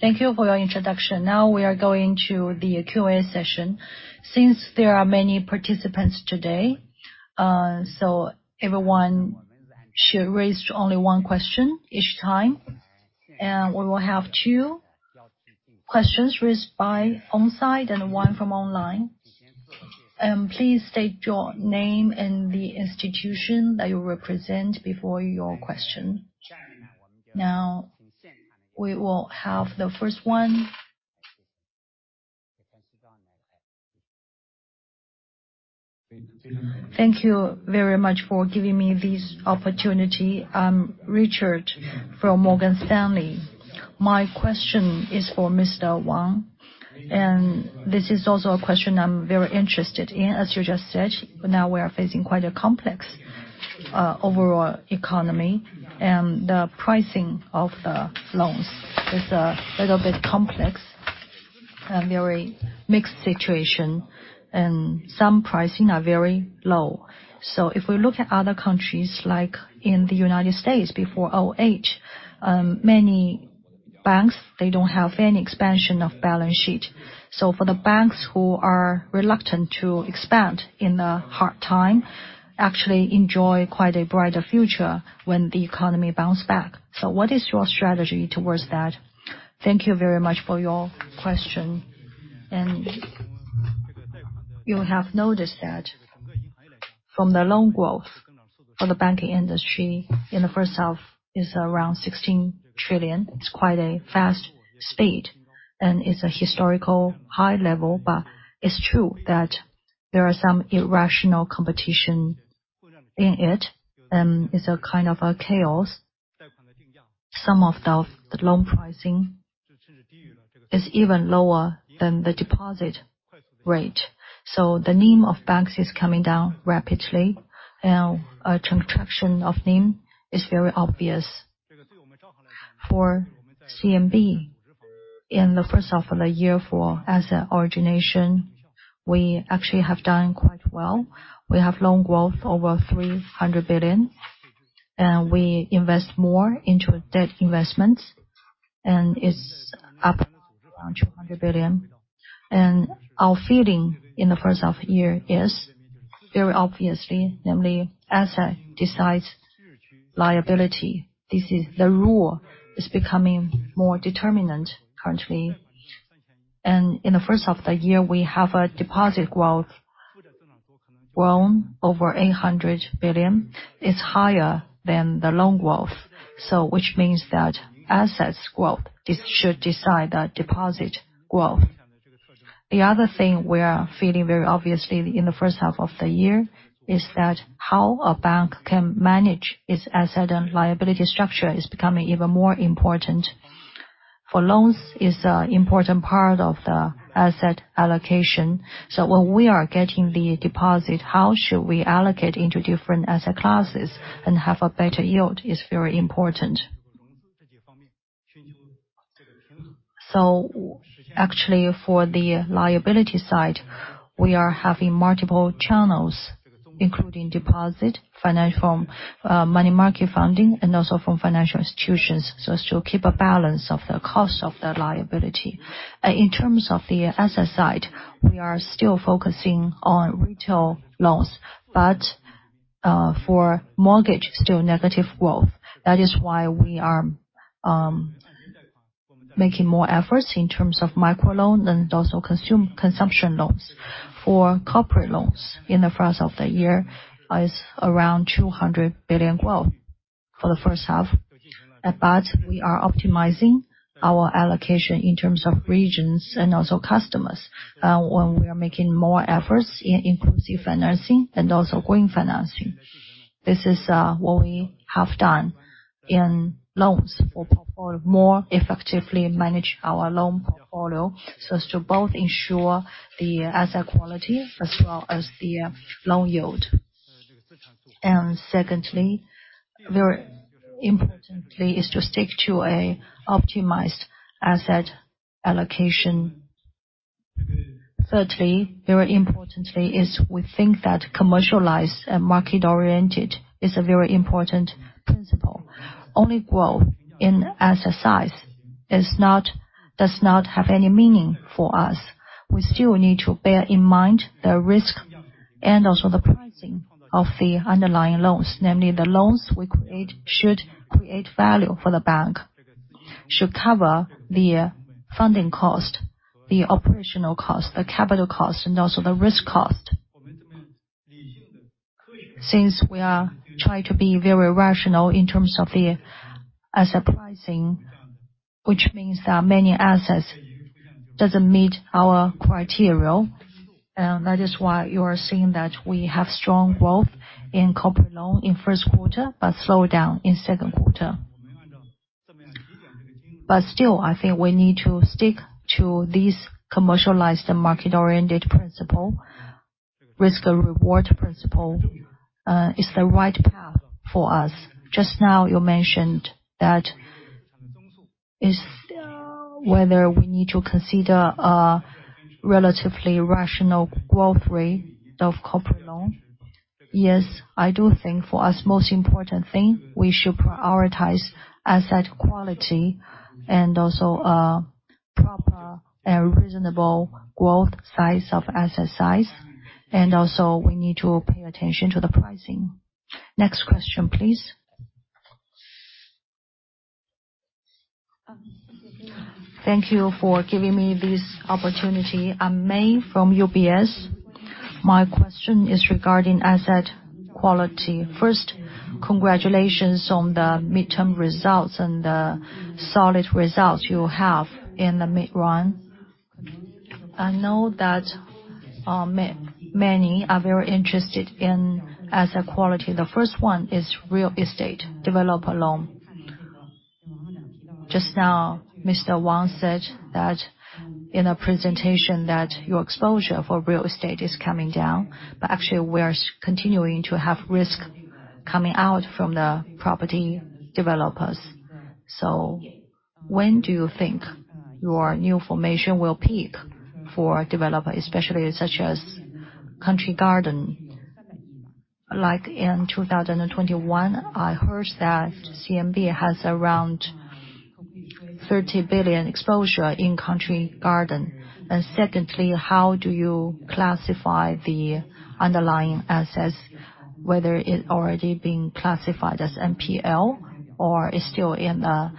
Thank you for your introduction. Now we are going to the Q&A session. Since there are many participants today, so everyone should raise only one question each time, and we will have two questions raised by on-site and one from online. Please state your name and the institution that you represent before your question. Now, we will have the first one. Thank you very much for giving me this opportunity. I'm Richard from Morgan Stanley. My question is for Mr. Wang, and this is also a question I'm very interested in. As you just said, now we are facing quite a complex, overall economy, and the pricing of the loans is a little bit complex, a very mixed situation, and some pricing are very low. So if we look at other countries, like in the United States before 2008, many banks, they don't have any expansion of balance sheet. So for the banks who are reluctant to expand in a hard time, actually enjoy quite a brighter future when the economy bounce back. So what is your strategy towards that? Thank you very much for your question. And you have noticed that from the loan growth for the banking industry in the first half is around 16 trillion. It's quite a fast speed, and it's a historical high level. But it's true that there are some irrational competition in it, and it's a kind of a chaos. Some of the loan pricing is even lower than the deposit rate. So the NIM of banks is coming down rapidly, and a contraction of NIM is very obvious. For CMB, in the first half of the year for asset origination, we actually have done quite well. We have loan growth over 300 billion, and we invest more into debt investments, and it's up around 200 billion. Our feeling in the first half year is very obviously, namely, asset decides liability. This is the rule. It's becoming more determinant currently. In the first half of the year, we have a deposit growth grown over 800 billion. It's higher than the loan growth, so which means that assets growth should decide the deposit growth. The other thing we are feeling very obviously in the first half of the year is that how a bank can manage its asset and liability structure is becoming even more important. For loans is an important part of the asset allocation. So when we are getting the deposit, how should we allocate into different asset classes and have a better yield is very important. So actually, for the liability side, we are having multiple channels, including deposit, financial money market funding, and also from financial institutions, so as to keep a balance of the cost of the liability. In terms of the asset side, we are still focusing on retail loans, but for mortgage, still negative growth. That is why we are making more efforts in terms of microloan and also consumption loans. For corporate loans in the first half of the year is around 200 billion growth for the first half. But we are optimizing our allocation in terms of regions and also customers when we are making more efforts in inclusive financing and also green financing. This is what we have done in loans to more effectively manage our loan portfolio, so as to both ensure the asset quality as well as the loan yield. Secondly, very importantly, is to stick to a optimized asset allocation. Thirdly, very importantly, is we think that commercialized and market-oriented is a very important principle. Only growth in asset size does not have any meaning for us. We still need to bear in mind the risk and also the pricing of the underlying loans, namely, the loans we create should create value for the bank, should cover the funding cost, the operational cost, the capital cost, and also the risk cost. Since we are trying to be very rational in terms of the asset pricing, which means that many assets doesn't meet our criteria. That is why you are seeing that we have strong growth in corporate loan in first quarter, but slow down in second quarter. But still, I think we need to stick to this commercialized and market-oriented principle. Risk and reward principle is the right path for us. Just now, you mentioned whether we need to consider a relatively rational growth rate of corporate loan. Yes, I do think for us, most important thing, we should prioritize asset quality and also proper and reasonable growth size of asset size, and also we need to pay attention to the pricing. Next question, please. Thank you for giving me this opportunity. I'm May from UBS. My question is regarding asset quality. First, congratulations on the midterm results and the solid results you have in the mid-run. I know that many are very interested in asset quality. The first one is real estate developer loan. Just now, Mr. Wang said that in a presentation that your exposure for real estate is coming down, but actually, we are continuing to have risk coming out from the property developers. So when do you think your provision will peak for developer, especially such as Country Garden? Like in 2021, I heard that CMB has around 30 billion exposure in Country Garden. And secondly, how do you classify the underlying assets, whether it's already been classified as NPL or is still in the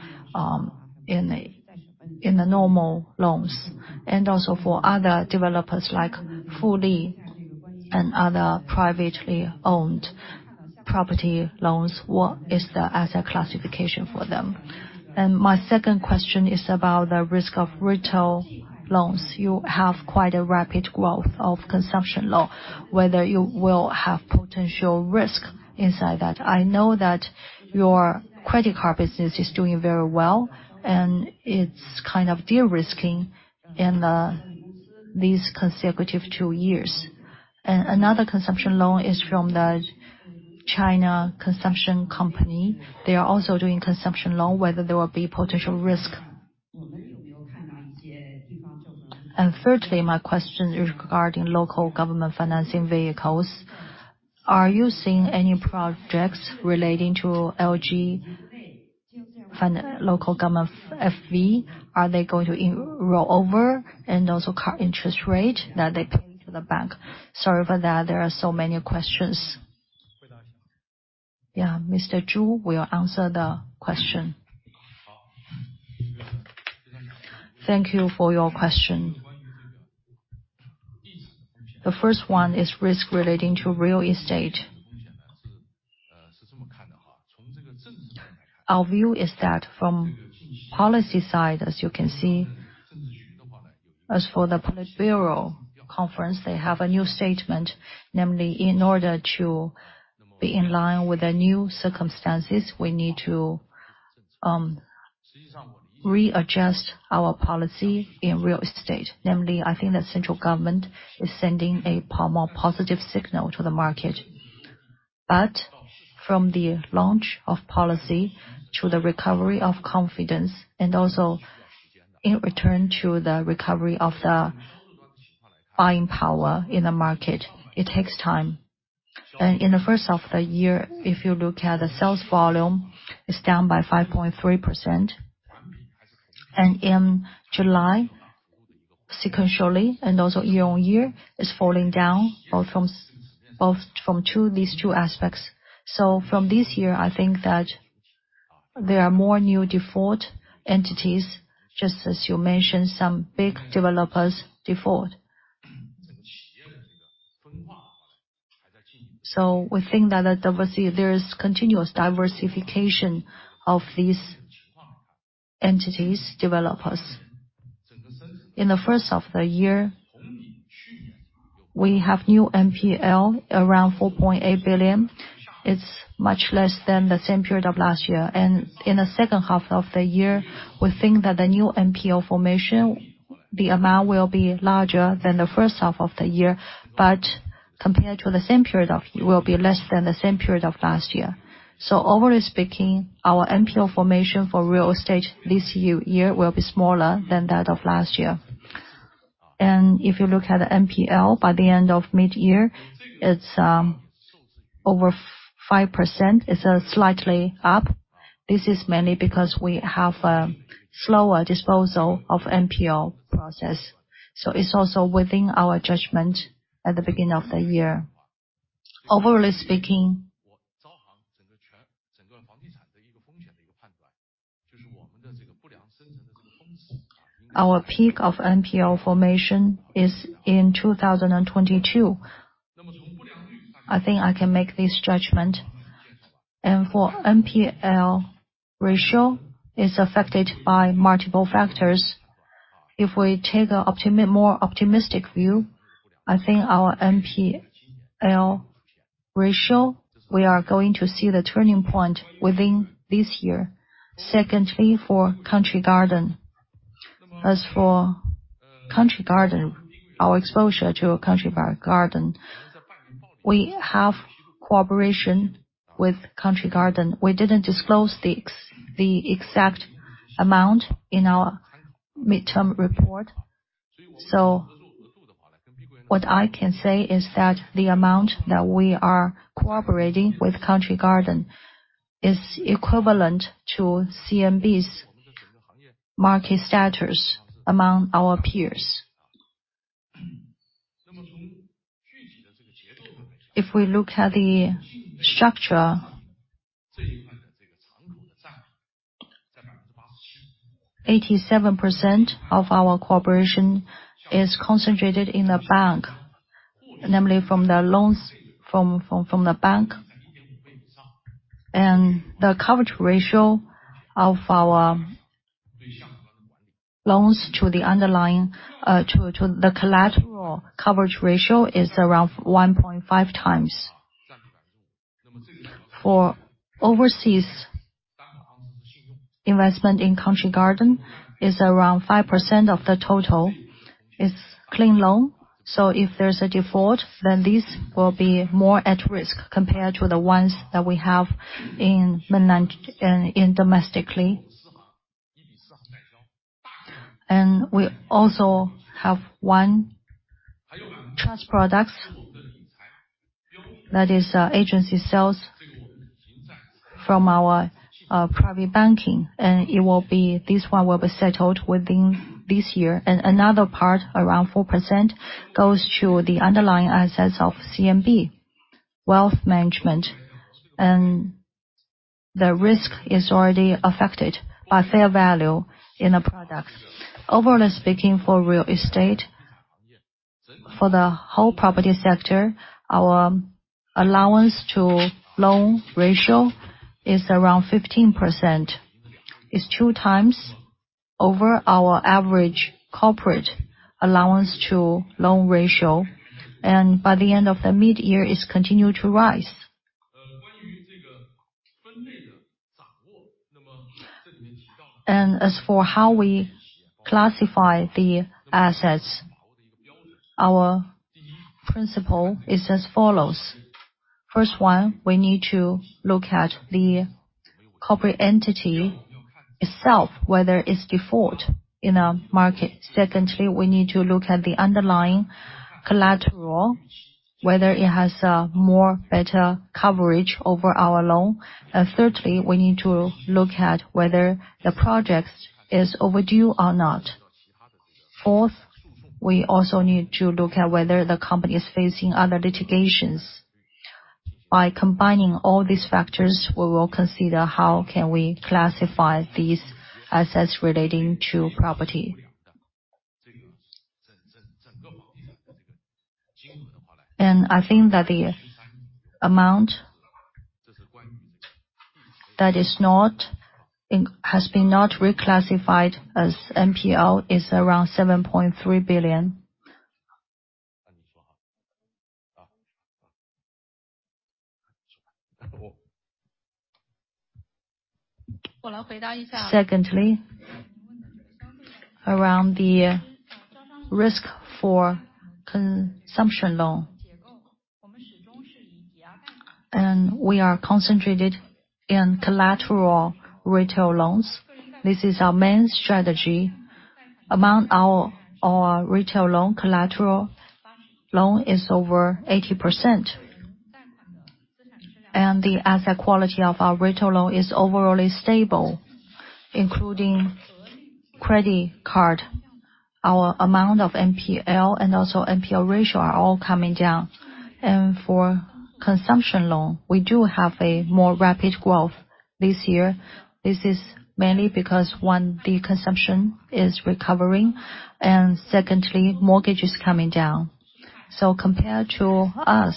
normal loans? And also for other developers like Fuli and other privately owned property loans, what is the asset classification for them? And my second question is about the risk of retail loans. You have quite a rapid growth of consumption loan, whether you will have potential risk inside that. I know that your credit card business is doing very well, and it's kind of de-risking in these consecutive two years. And another consumption loan is from the China Consumption Company. They are also doing consumption loan, whether there will be potential risk. And thirdly, my question is regarding local government financing vehicles. Are you seeing any projects relating to LGFV? Are they going to roll over and also cut interest rate that they pay to the bank? Sorry for that, there are so many questions. Yeah, Mr. Zhu will answer the question. Thank you for your question. The first one is risk relating to real estate. Our view is that from policy side, as you can see, as for the Politburo conference, they have a new statement, namely, in order to be in line with the new circumstances, we need to readjust our policy in real estate. Namely, I think the central government is sending a more positive signal to the market. But from the launch of policy to the recovery of confidence, and also in return to the recovery of the buying power in the market, it takes time. And in the first half of the year, if you look at the sales volume, it's down by 5.3%. And in July, sequentially, and also year-on-year, it's falling down, both from these two aspects. So from this year, I think that there are more new default entities, just as you mentioned, some big developers default. So we think that at WC, there is continuous diversification of these entities, developers. In the first half of the year, we have new NPL, around 4.8 billion. It's much less than the same period of last year. And in the second half of the year, we think that the new NPL formation, the amount will be larger than the first half of the year, but compared to the same period of last year will be less than the same period of last year. So overall speaking, our NPL formation for real estate this year will be smaller than that of last year. And if you look at the NPL, by the end of mid-year, it's over 5%. It's slightly up. This is mainly because we have a slower disposal of NPL process, so it's also within our judgment at the beginning of the year. Overall speaking, our peak of NPL formation is in 2022. I think I can make this judgment. For NPL ratio, it's affected by multiple factors. If we take a more optimistic view, I think our NPL ratio, we are going to see the turning point within this year. Secondly, for Country Garden. As for Country Garden, our exposure to Country Garden, we have cooperation with Country Garden. We didn't disclose the exact amount in our midterm report. So what I can say is that the amount that we are cooperating with Country Garden is equivalent to CMB's market status among our peers. If we look at the structure, 87% of our cooperation is concentrated in the bank, namely from the loans from the bank. And the coverage ratio of our loans to the underlying to the collateral coverage ratio is around 1.5x. For overseas investment in Country Garden is around 5% of the total. It's clean loan, so if there's a default, then these will be more at risk compared to the ones that we have in domestically. And we also have one trust products, that is, agency sales from our private banking, and it will be settled within this year. And another part, around 4%, goes to the underlying assets of CMB Wealth Management, and the risk is already affected by fair value in the products. Overall speaking, for real estate, for the whole property sector, our allowance to loan ratio is around 15%. It's two times over our average corporate allowance to loan ratio, and by the end of the midyear, it's continued to rise. As for how we classify the assets, our principle is as follows: First one, we need to look at the corporate entity itself, whether it's default in a market. Secondly, we need to look at the underlying collateral, whether it has a more better coverage over our loan. And thirdly, we need to look at whether the project is overdue or not. Fourth, we also need to look at whether the company is facing other litigations. By combining all these factors, we will consider how can we classify these assets relating to property. And I think that the amount that has not been reclassified as NPL is around CNY 7.3 billion. Secondly, around the risk for consumption loan, and we are concentrated in collateral retail loans. This is our main strategy. Among our, our retail loan, collateral loan is over 80%, and the asset quality of our retail loan is overall stable, including credit card. Our amount of NPL and also NPL ratio are all coming down. And for consumption loan, we do have a more rapid growth this year. This is mainly because, one, the consumption is recovering, and secondly, mortgage is coming down. So compared to us,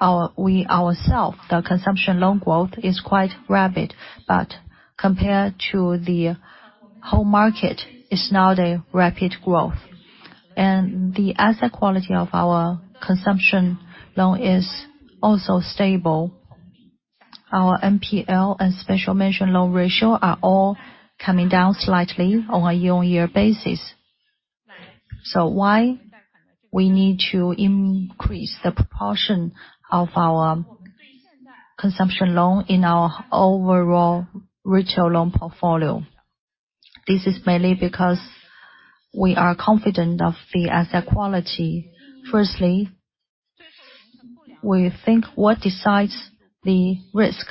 our—we ourselves, the consumption loan growth is quite rapid, but compared to the whole market, it's not a rapid growth. And the asset quality of our consumption loan is also stable. Our NPL and special mention loan ratio are all coming down slightly on a year-on-year basis. So why we need to increase the proportion of our consumption loan in our overall retail loan portfolio? This is mainly because we are confident of the asset quality. Firstly, we think what decides the risk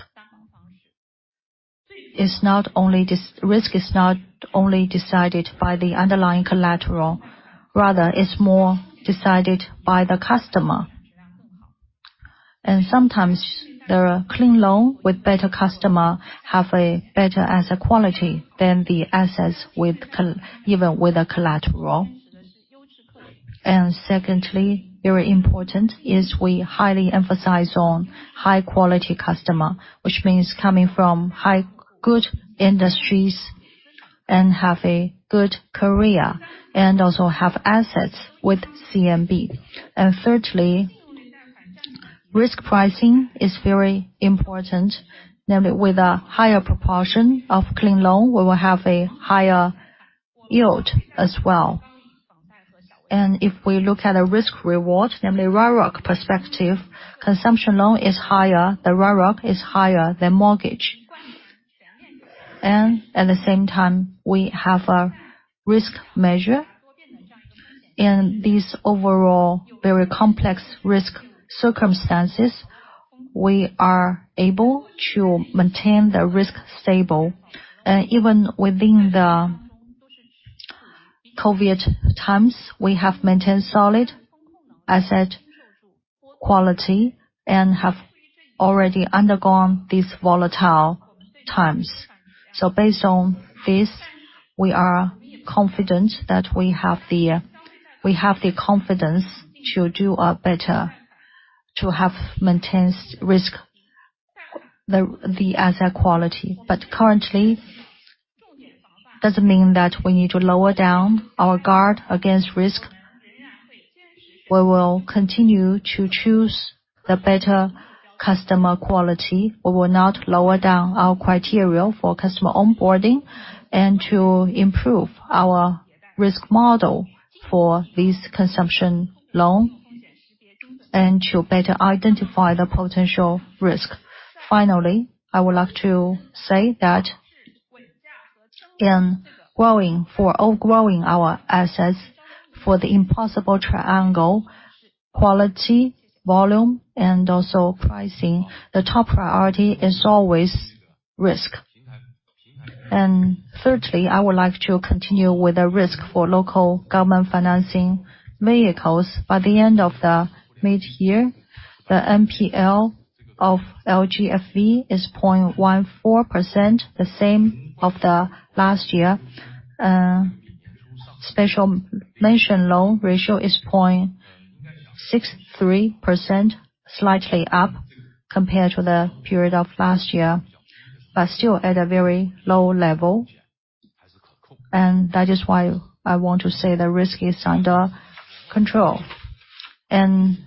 is not only this, risk is not only decided by the underlying collateral, rather, it's more decided by the customer. Sometimes, the clean loan with better customer have a better asset quality than the assets with collateral even with a collateral. Secondly, very important, is we highly emphasize on high-quality customer, which means coming from high, good industries and have a good career, and also have assets with CMB. Thirdly, risk pricing is very important. Namely, with a higher proportion of clean loan, we will have a higher yield as well. If we look at the risk reward, namely, ROIC perspective, consumption loan is higher. The ROIC is higher than mortgage. At the same time, we have a risk measure. In these overall very complex risk circumstances, we are able to maintain the risk stable. Even within the COVID times, we have maintained solid asset quality and have already undergone these volatile times. So based on this, we are confident that we have the, we have the confidence to do, better, to have maintained risk, the, the asset quality. But currently, doesn't mean that we need to lower down our guard against risk. We will continue to choose the better customer quality. We will not lower down our criteria for customer onboarding, and to improve our risk model for this consumption loan, and to better identify the potential risk. Finally, I would like to say that in growing—for outgrowing our assets, for the impossible triangle, quality, volume, and also pricing, the top priority is always risk. And thirdly, I would like to continue with the risk for local government financing vehicles. By the end of the mid-year, the NPL of LGFV is 0.14%, the same of the last year. Special mention loan ratio is 0.63%, slightly up compared to the period of last year, but still at a very low level. And that is why I want to say the risk is under control. And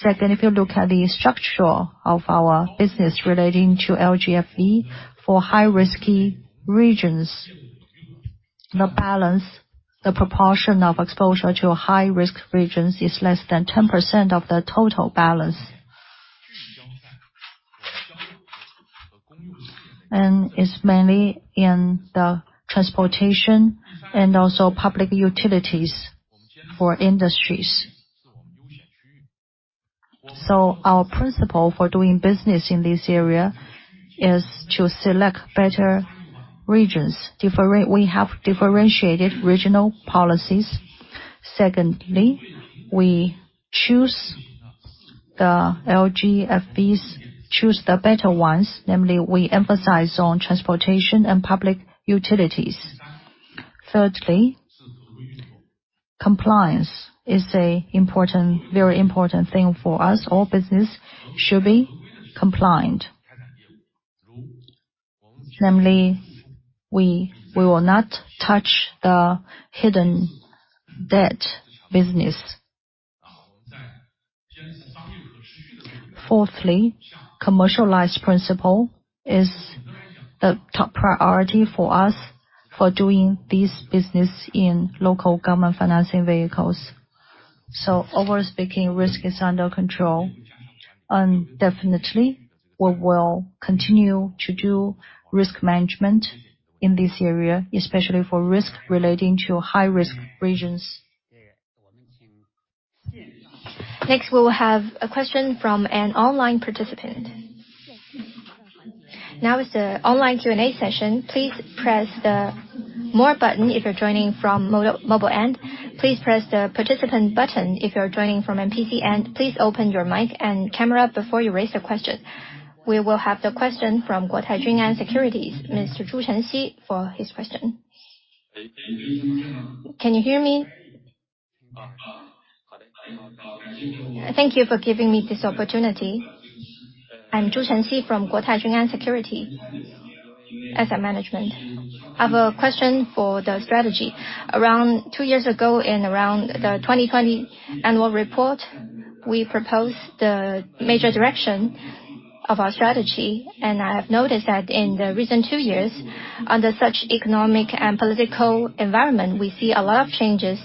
second, if you look at the structure of our business relating to LGFV for high-risky regions, the balance, the proportion of exposure to high-risk regions is less than 10% of the total balance. And it's mainly in the transportation and also public utilities for industries. So our principle for doing business in this area is to select better regions. We have differentiated regional policies. Secondly, we choose the LGFVs, choose the better ones. Namely, we emphasize on transportation and public utilities. Thirdly, compliance is an important, very important thing for us. All business should be compliant. Namely, we, we will not touch the hidden debt business. Fourthly, commercialized principle is the top priority for us for doing this business in local government financing vehicles. So overall speaking, risk is under control. And definitely, we will continue to do risk management in this area, especially for risk relating to high-risk regions. Next, we will have a question from an online participant. Now is the online Q&A session. Please press the More button if you're joining from mobi-mobile end. Please press the Participant button if you're joining from a PC. Please open your mic and camera before you raise your question. We will have the question from Guotai Junan Securities, Mr. Jun Zhu, for his question. Can you hear me? Thank you for giving me this opportunity. I'm Jun Zhu from Guotai Junan Securities Asset Management. I have a question for the strategy. Around two years ago, in around the 2020 annual report, we proposed the major direction of our strategy, and I have noticed that in the recent two years, under such economic and political environment, we see a lot of changes.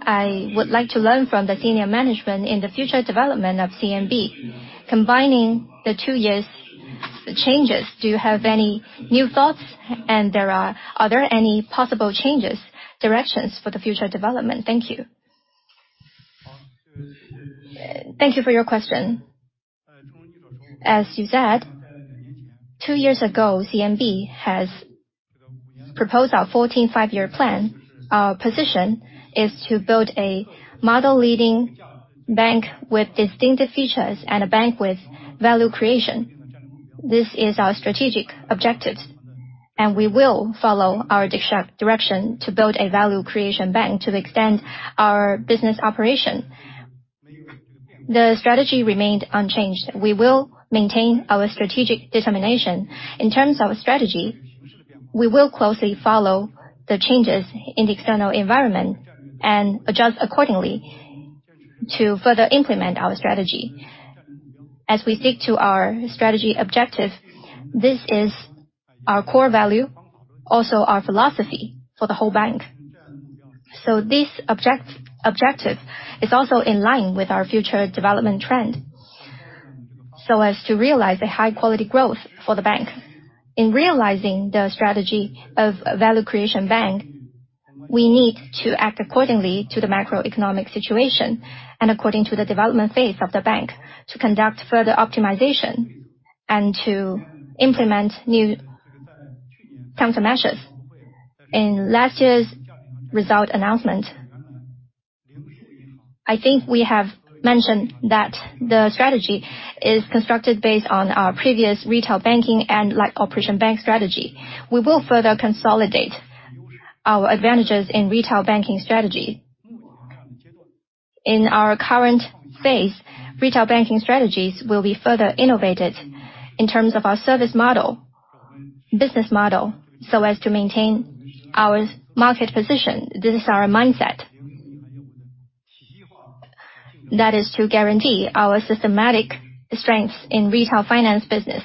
I would like to learn from the senior management in the future development of CMB. Combining the two years' changes, do you have any new thoughts? And are there any possible changes, directions for the future development? Thank you. Thank you for your question. As you said, two years ago, CMB has proposed our 14th Five-Year Plan. Our position is to build a model leading bank with distinctive features and a bank with value creation. This is our strategic objectives, and we will follow our direction to build a value creation bank to the extent our business operation. The strategy remained unchanged. We will maintain our strategic determination. In terms of strategy, we will closely follow the changes in the external environment and adjust accordingly to further implement our strategy. As we stick to our strategy objective, this is our core value, also our philosophy for the whole bank. So this objective is also in line with our future development trend, so as to realize the high quality growth for the bank. In realizing the strategy of value creation bank, we need to act accordingly to the macroeconomic situation and according to the development phase of the bank, to conduct further optimization and to implement new counter measures. In last year's result announcement, I think we have mentioned that the strategy is constructed based on our previous retail banking and light operation bank strategy. We will further consolidate our advantages in retail banking strategy. In our current phase, retail banking strategies will be further innovated in terms of our service model, business model, so as to maintain our market position. This is our mindset. That is to guarantee our systematic strengths in retail finance business,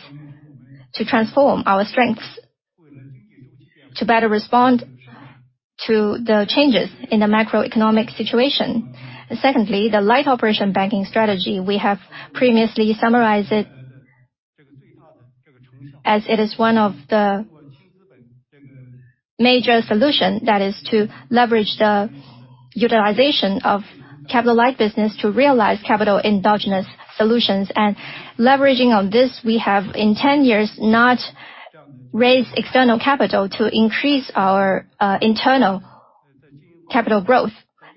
to transform our strengths, to better respond to the changes in the macroeconomic situation. Secondly, the light operation banking strategy, we have previously summarized it, as it is one of the major solution, that is to leverage the utilization of capital light business to realize capital endogenous solutions. And leveraging on this, we have, in 10 years, not raised external capital to increase our internal capital growth.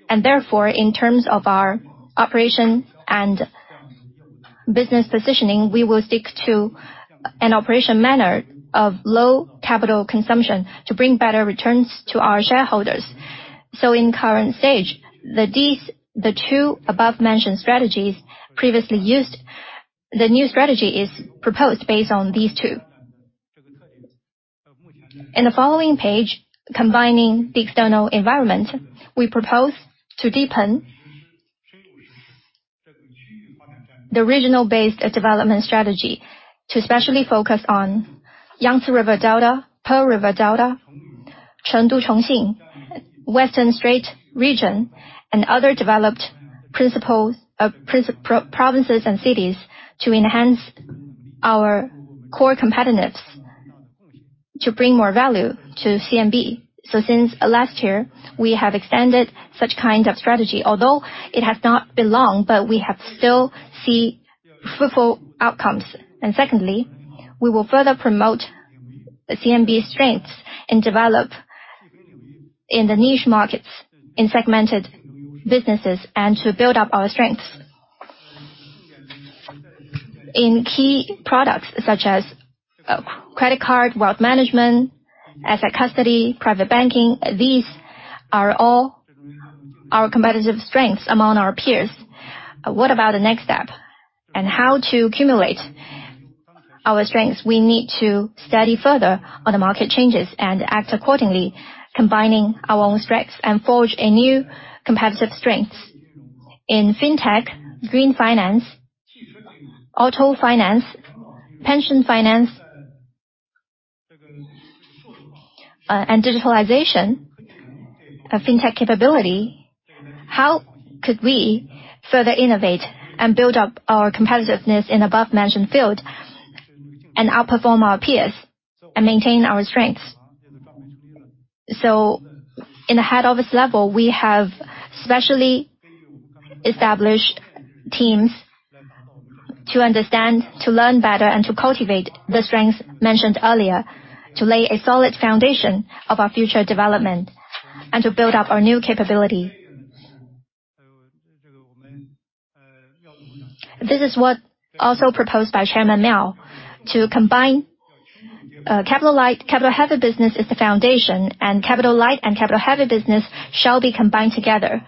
And therefore, in terms of our operation and business positioning, we will stick to an operation manner of low capital consumption to bring better returns to our shareholders. So in current stage, these two above-mentioned strategies previously used, the new strategy is proposed based on these two. In the following page, combining the external environment, we propose to deepen the regional-based development strategy, to especially focus on Yangtze River Delta, Pearl River Delta, Chengdu-Chongqing, Western Strait region, and other developed provinces and cities to enhance our core competitiveness, to bring more value to CMB. Since last year, we have extended such kind of strategy, although it has not been long, but we have still seen fruitful outcomes. Secondly, we will further promote the CMB strengths and develop in the niche markets, in segmented businesses, and to build up our strengths. In key products such as credit card, wealth management, asset custody, private banking, these are all our competitive strengths among our peers. What about the next step? How to accumulate our strengths? We need to study further on the market changes and act accordingly, combining our own strengths and forge a new competitive strengths. In Fintech, green finance, auto finance, pension finance, and digitalization of Fintech capability, how could we further innovate and build up our competitiveness in above-mentioned field, and outperform our peers and maintain our strengths? So in the head office level, we have specially established teams to understand, to learn better, and to cultivate the strengths mentioned earlier, to lay a solid foundation of our future development and to build up our new capability. This is what also proposed by Chairman Miao, to combine, capital light. Capital heavy business is the foundation, and capital light and capital heavy business shall be combined together.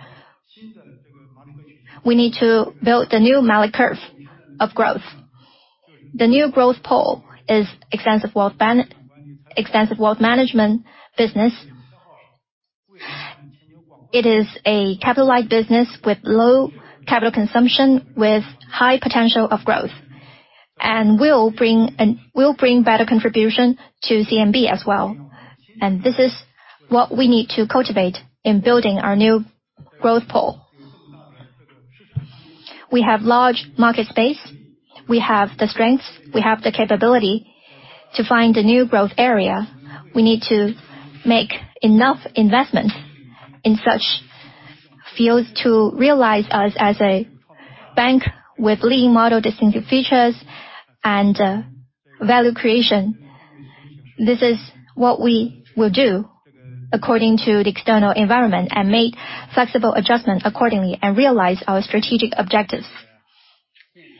We need to build the new Malik curve of growth. The new growth pole is extensive wealth management business. It is a capital light business with low capital consumption, with high potential of growth, and will bring better contribution to CMB as well. This is what we need to cultivate in building our new growth pole. We have large market space, we have the strengths, we have the capability to find a new growth area. We need to make enough investment in such fields to realize us as a bank with leading model, distinctive features and value creation. This is what we will do according to the external environment, and make flexible adjustments accordingly, and realize our strategic objectives.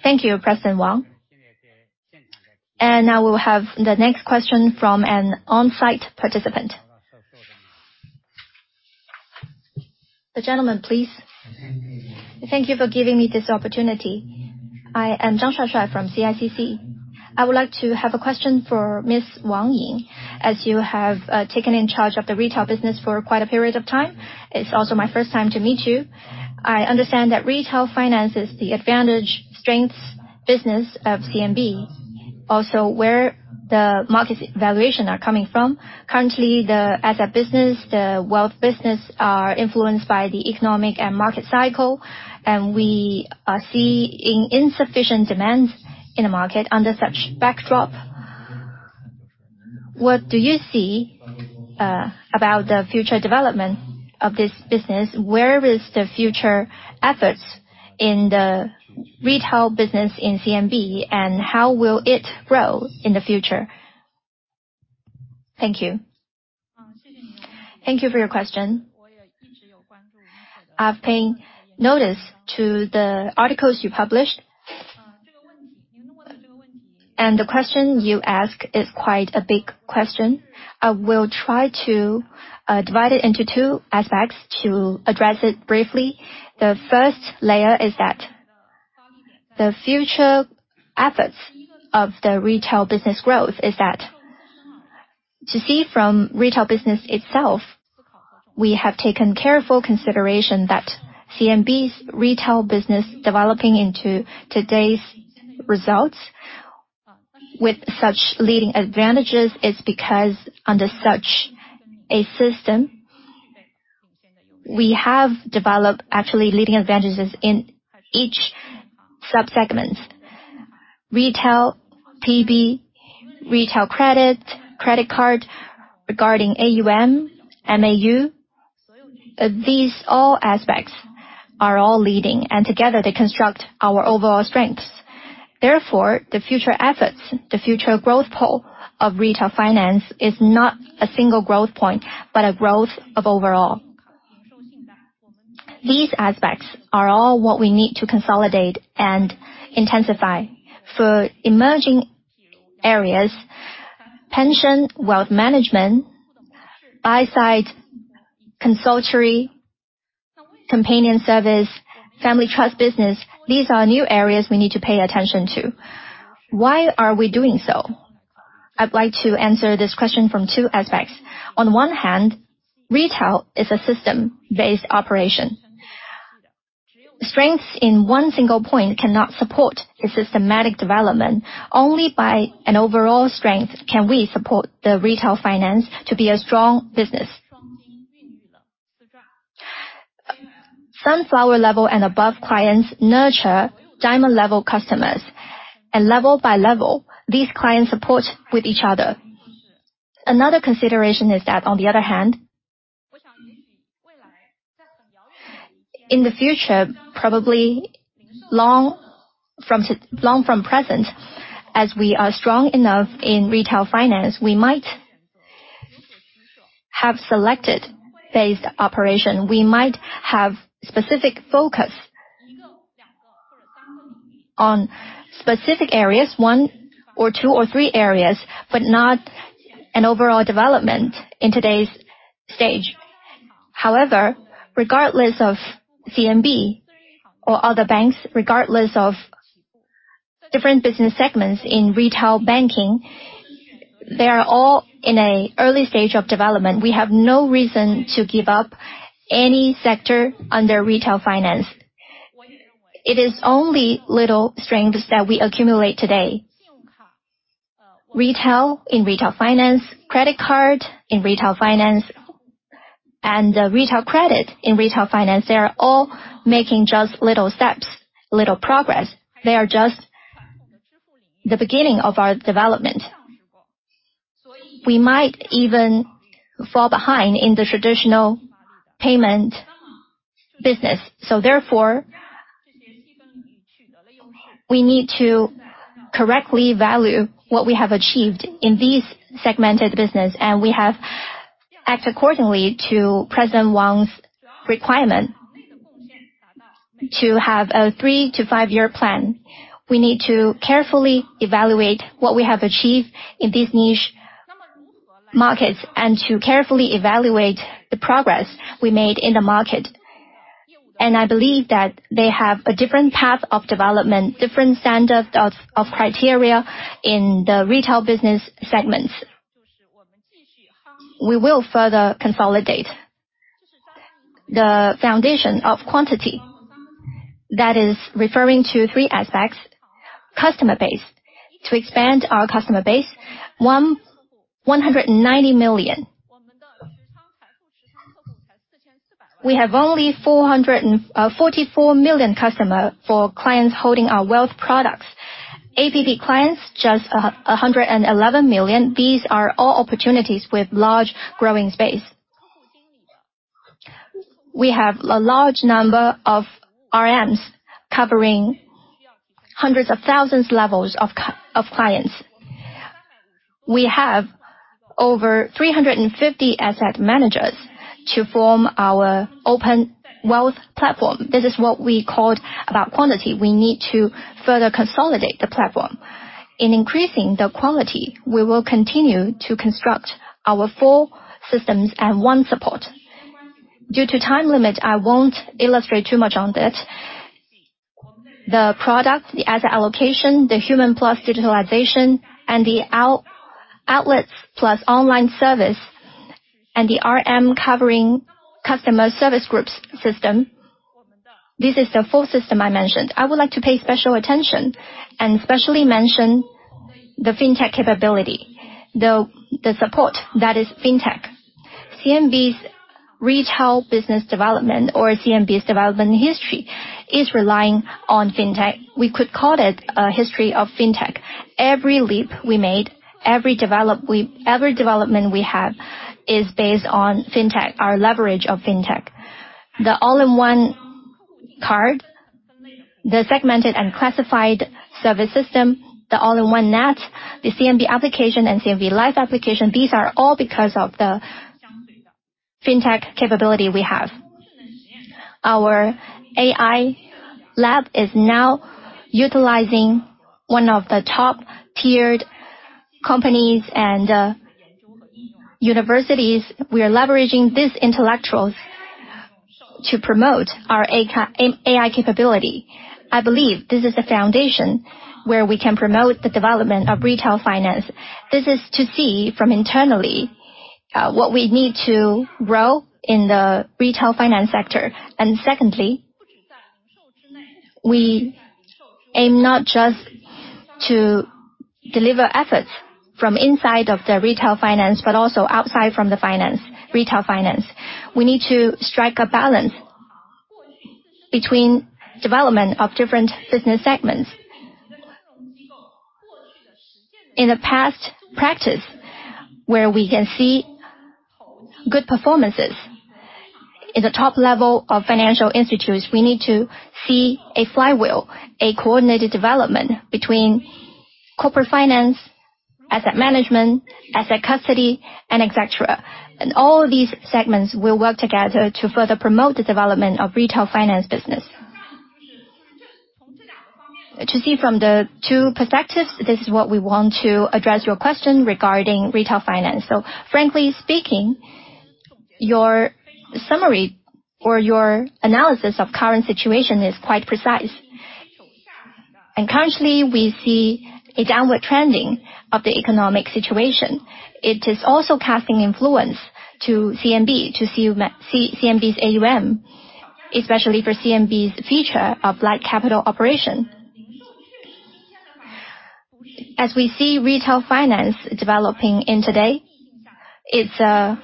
Thank you, President Wang. And now we will have the next question from an on-site participant. The gentleman, please. Thank you for giving me this opportunity. I am Zhang Shuai from CICC. I would like to have a question for Ms. Wang. As you have taken in charge of the retail business for quite a period of time, it's also my first time to meet you. I understand that retail finance is the advantage strengths business of CMB. Also, where the market's valuation are coming from. Currently, the asset business, the wealth business, are influenced by the economic and market cycle, and we are seeing insufficient demands in the market under such backdrop. What do you see about the future development of this business? Where is the future efforts in the retail business in CMB, and how will it grow in the future? Thank you. Thank you for your question. I've paid notice to the articles you published. And the question you ask is quite a big question. I will try to divide it into two aspects to address it briefly. The first layer is that the future efforts of the retail business growth is that to see from retail business itself, we have taken careful consideration that CMB's retail business developing into today's results with such leading advantages is because under such a system, we have developed actually leading advantages in each sub-segments. Retail, PB, retail credit, credit card, regarding AUM, MAU. These all aspects are all leading, and together they construct our overall strengths. Therefore, the future efforts, the future growth poll of retail finance, is not a single growth point, but a growth of overall. These aspects are all what we need to consolidate and intensify. For emerging areas, pension, wealth management, buy side, consultory, companion service, family trust business, these are new areas we need to pay attention to. Why are we doing so? I'd like to answer this question from two aspects. On one hand, retail is a system-based operation. Strengths in one single point cannot support a systematic development. Only by an overall strength can we support the retail finance to be a strong business. Sunflower level and above clients nurture diamond-level customers, and level by level, these clients support with each other. Another consideration is that, on the other hand, in the future, probably long from present, as we are strong enough in retail finance, we might have selected based operation. We might have specific focus on specific areas, one or two or three areas, but not an overall development in today's stage. However, regardless of CMB or other banks, regardless of different business segments in retail banking, they are all in an early stage of development. We have no reason to give up any sector under retail finance. It is only little strengths that we accumulate today. Retail in retail finance, credit card in retail finance, and retail credit in retail finance, they are all making just little steps, little progress. They are just the beginning of our development. We might even fall behind in the traditional payment business. So therefore, we need to correctly value what we have achieved in these segmented business, and we have to act accordingly to President Wang's requirement. To have a three to five-year plan, we need to carefully evaluate what we have achieved in these niche markets and to carefully evaluate the progress we made in the market. I believe that they have a different path of development, different standard of, of criteria in the retail business segments. We will further consolidate the foundation of quantity. That is referring to three aspects. Customer base. To expand our customer base, 190 million. We have only 444 million customer for clients holding our wealth products. APP clients, just 111 million. These are all opportunities with large growing space. We have a large number of RMs covering hundreds of thousands levels of of clients. We have over 350 asset managers to form our open wealth platform. This is what we called about quantity. We need to further consolidate the platform. In increasing the quality, we will continue to construct our four systems and one support. Due to time limit, I won't illustrate too much on that. The product, the asset allocation, the human plus digitalization, and the outlets plus online service, and the RM covering customer service groups system. This is the full system I mentioned. I would like to pay special attention and specially mention the fintech capability, the support that is fintech. CMB's retail business development or CMB's development history is relying on fintech. We could call it a history of fintech. Every leap we made, every development we have, is based on fintech, our leverage of fintech. The All-in-One Card, the segmented and classified service system, the All-in-One Net, the CMB application and CMB Life application, these are all because of the fintech capability we have. Our AI lab is now utilizing one of the top-tiered companies and universities. We are leveraging these intellectuals to promote our AI capability. I believe this is the foundation where we can promote the development of retail finance. This is to see from internally, what we need to grow in the retail finance sector. Secondly, we aim not just to deliver efforts from inside of the retail finance, but also outside from the finance, retail finance. We need to strike a balance between development of different business segments. In the past practice, where we can see good performances. In the top level of financial institutions, we need to see a flywheel, a coordinated development between corporate finance, asset management, asset custody, and et cetera. And all of these segments will work together to further promote the development of retail finance business. To see from the two perspectives, this is what we want to address your question regarding retail finance. So frankly speaking, your summary or your analysis of current situation is quite precise. Currently, we see a downward trending of the economic situation. It is also casting influence to CMB, to CMB's AUM, especially for CMB's feature of light capital operation. As we see retail finance developing in today, it's an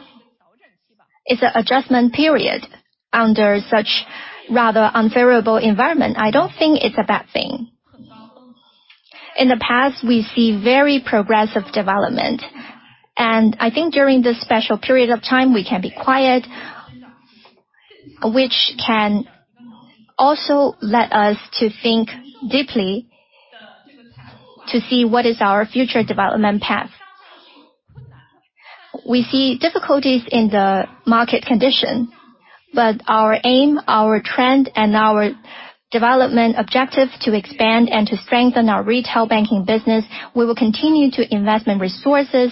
adjustment period under such rather unfavorable environment. I don't think it's a bad thing. In the past, we see very progressive development, and I think during this special period of time, we can be quiet, which can also let us to think deeply to see what is our future development path. We see difficulties in the market condition, but our aim, our trend, and our development objectives to expand and to strengthen our retail banking business, we will continue to investment resources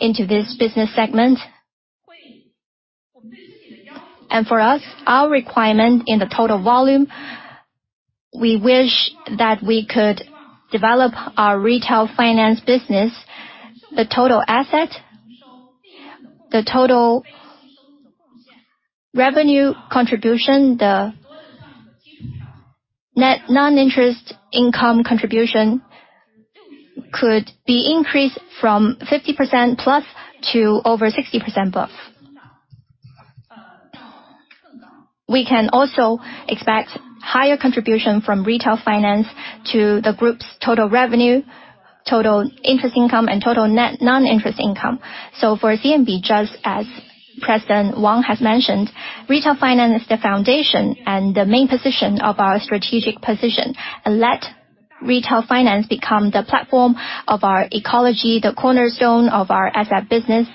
into this business segment. For us, our requirement in the total volume, we wish that we could develop our retail finance business, the total asset, the total revenue contribution, the net non-interest income contribution, could be increased from 50%+ to over 60%+. We can also expect higher contribution from retail finance to the group's total revenue, total interest income, and total net non-interest income. So for CMB, just as President Wang has mentioned, retail finance is the foundation and the main position of our strategic position, and let retail finance become the platform of our ecology, the cornerstone of our asset business,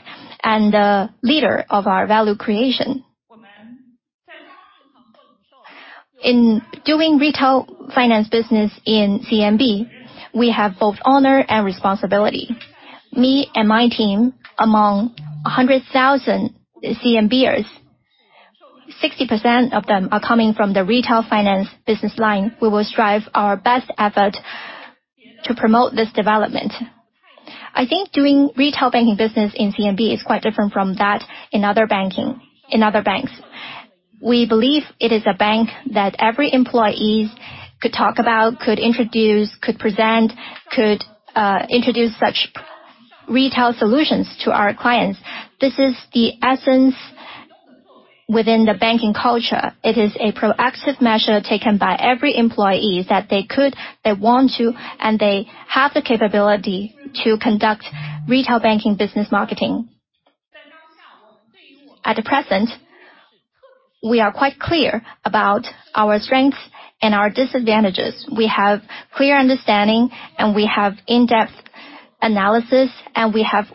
and the leader of our value creation. In doing retail finance business in CMB, we have both honor and responsibility. Me and my team, among 100,000 CMBers, 60% of them are coming from the retail finance business line. We will strive our best effort to promote this development. I think doing retail banking business in CMB is quite different from that in other banking, in other banks. We believe it is a bank that every employees could talk about, could introduce, could present, could introduce such retail solutions to our clients. This is the essence within the banking culture. It is a proactive measure taken by every employee that they could, they want to, and they have the capability to conduct retail banking business marketing. At the present, we are quite clear about our strengths and our disadvantages. We have clear understanding, and we have in-depth analysis, and we have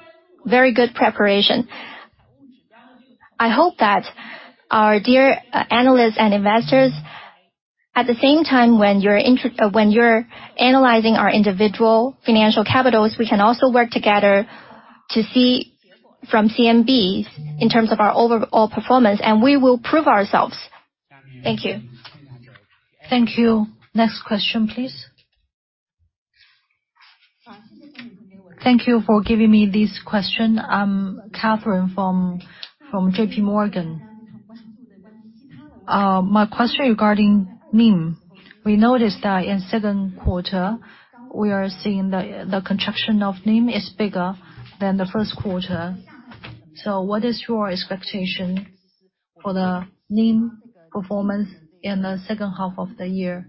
very good preparation. I hope that our dear analysts and investors, at the same time, when you're analyzing our individual financial capitals, we can also work together to see from CMB's in terms of our overall performance, and we will prove ourselves. Thank you. Thank you. Next question, please? Thank you for giving me this question. I'm Catherine from, from JPMorgan. My question regarding NIM. We noticed that in second quarter, we are seeing the, the contraction of NIM is bigger than the first quarter. So what is your expectation for the NIM performance in the second half of the year?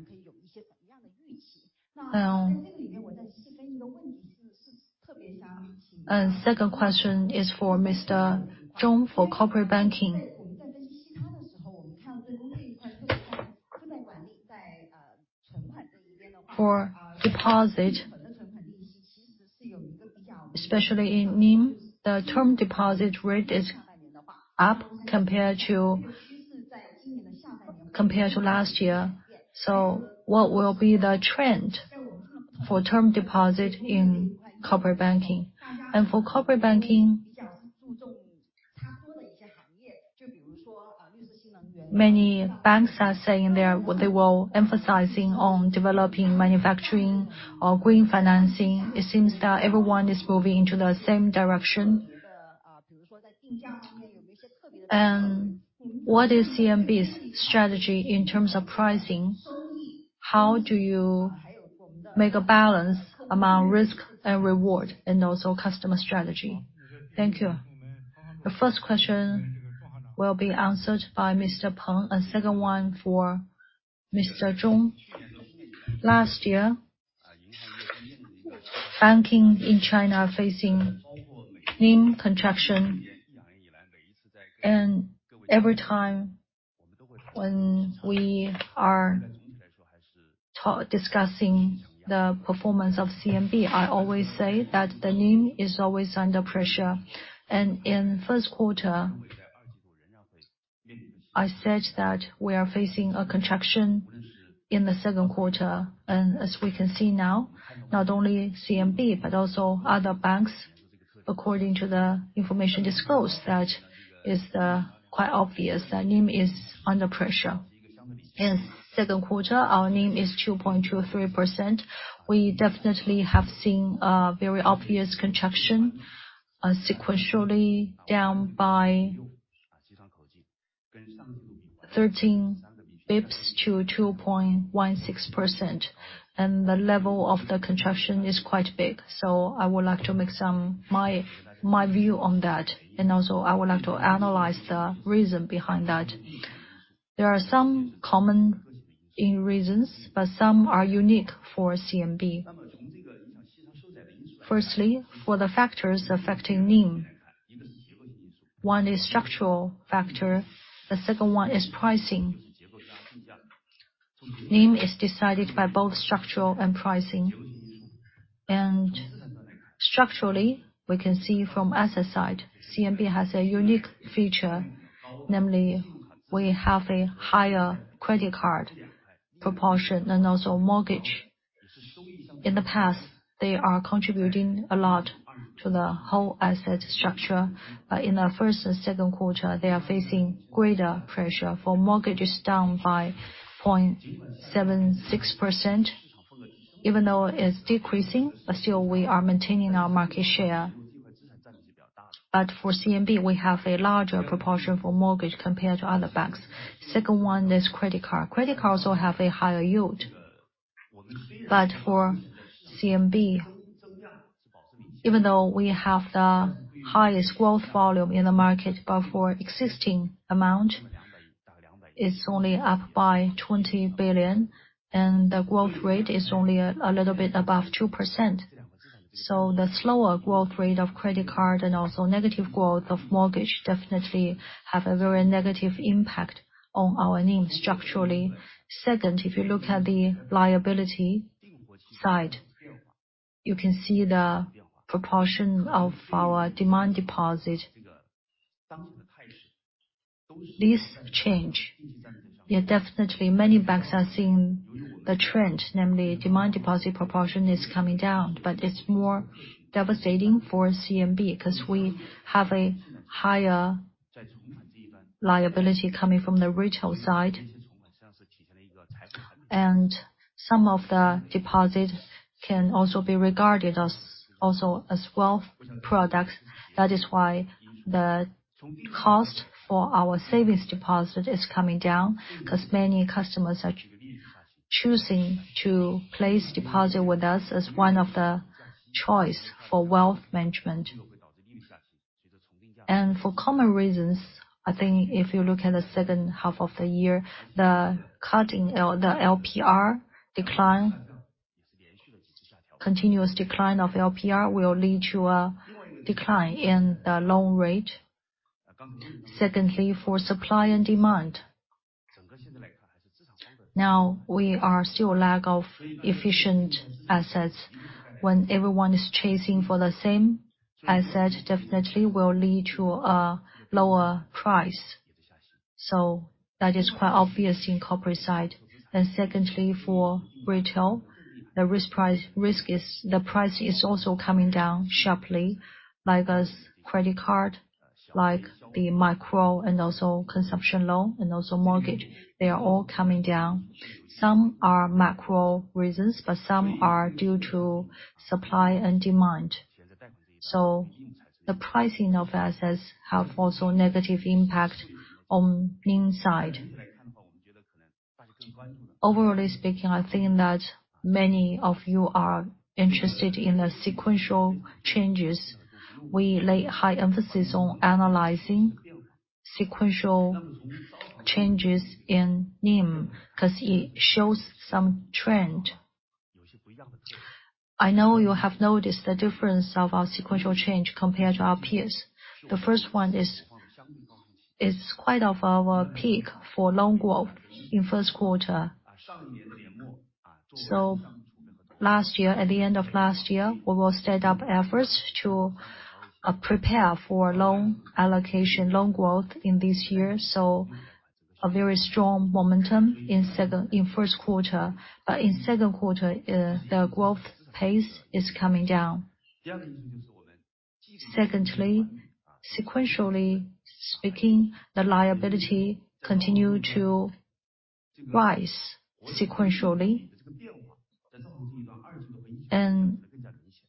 And second question is for Mr. Zhong, for corporate banking. For deposit, especially in NIM, the term deposit rate is up compared to, compared to last year. So what will be the trend for term deposit in corporate banking? And for corporate banking, many banks are saying they are-- they were emphasizing on developing, manufacturing or green financing. It seems that everyone is moving into the same direction. And what is CMB's strategy in terms of pricing? How do you make a balance among risk and reward, and also customer strategy? Thank you. The first question will be answered by Mr. Peng, and second one for Mr. Zhong. Last year, banking in China facing NIM contraction. Every time when we are discussing the performance of CMB, I always say that the NIM is always under pressure. In first quarter, I said that we are facing a contraction in the second quarter. As we can see now, not only CMB, but also other banks, according to the information disclosed, that is, quite obvious that NIM is under pressure. In second quarter, our NIM is 2.23%. We definitely have seen a very obvious contraction, sequentially down by 13 basis points to 2.16%, and the level of the contraction is quite big. So I would like to make my view on that. And also, I would like to analyze the reason behind that. There are some common reasons, but some are unique for CMB. Firstly, for the factors affecting NIM, one is structural factor, the second one is pricing. NIM is decided by both structural and pricing. And structurally, we can see from asset side, CMB has a unique feature, namely, we have a higher credit card proportion and also mortgage. In the past, they are contributing a lot to the whole asset structure. In the first and second quarter, they are facing greater pressure for mortgages, down by 0.76%. Even though it's decreasing, but still we are maintaining our market share. But for CMB, we have a larger proportion for mortgage compared to other banks. Second one is credit card. Credit cards will have a higher yield. But for CMB, even though we have the highest growth volume in the market, but for existing amount, it's only up by 20 billion, and the growth rate is only a little bit above 2%. So the slower growth rate of credit card and also negative growth of mortgage, definitely have a very negative impact on our NIM structurally. Second, if you look at the liability side, you can see the proportion of our demand deposit. This change, yeah, definitely many banks are seeing the trend, namely, demand deposit proportion is coming down. But it's more devastating for CMB, 'cause we have a higher liability coming from the retail side. And some of the deposits can also be regarded as, also as wealth products. That is why the cost for our savings deposit is coming down, 'cause many customers are choosing to place deposit with us as one of the choice for wealth management. And for common reasons, I think if you look at the second half of the year, the LPR decline, continuous decline of LPR, will lead to a decline in the loan rate. Secondly, for supply and demand, now we are still lack of efficient assets. When everyone is chasing for the same asset, definitely will lead to a lower price. So that is quite obvious in corporate side. And secondly, for retail, the risk is, the price is also coming down sharply, like as credit card, like the micro and also consumption loan, and also mortgage, they are all coming down. Some are macro reasons, but some are due to supply and demand. So the pricing of assets have also negative impact on NIM side. Overall speaking, I think that many of you are interested in the sequential changes. We lay high emphasis on analyzing sequential changes in NIM, because it shows some trend. I know you have noticed the difference of our sequential change compared to our peers. The first one is, it's quite of our peak for loan growth in first quarter. So last year, at the end of last year, we will step up efforts to prepare for loan allocation, loan growth in this year, so a very strong momentum in first quarter. But in second quarter, the growth pace is coming down. Secondly, sequentially speaking, the liability continued to rise sequentially.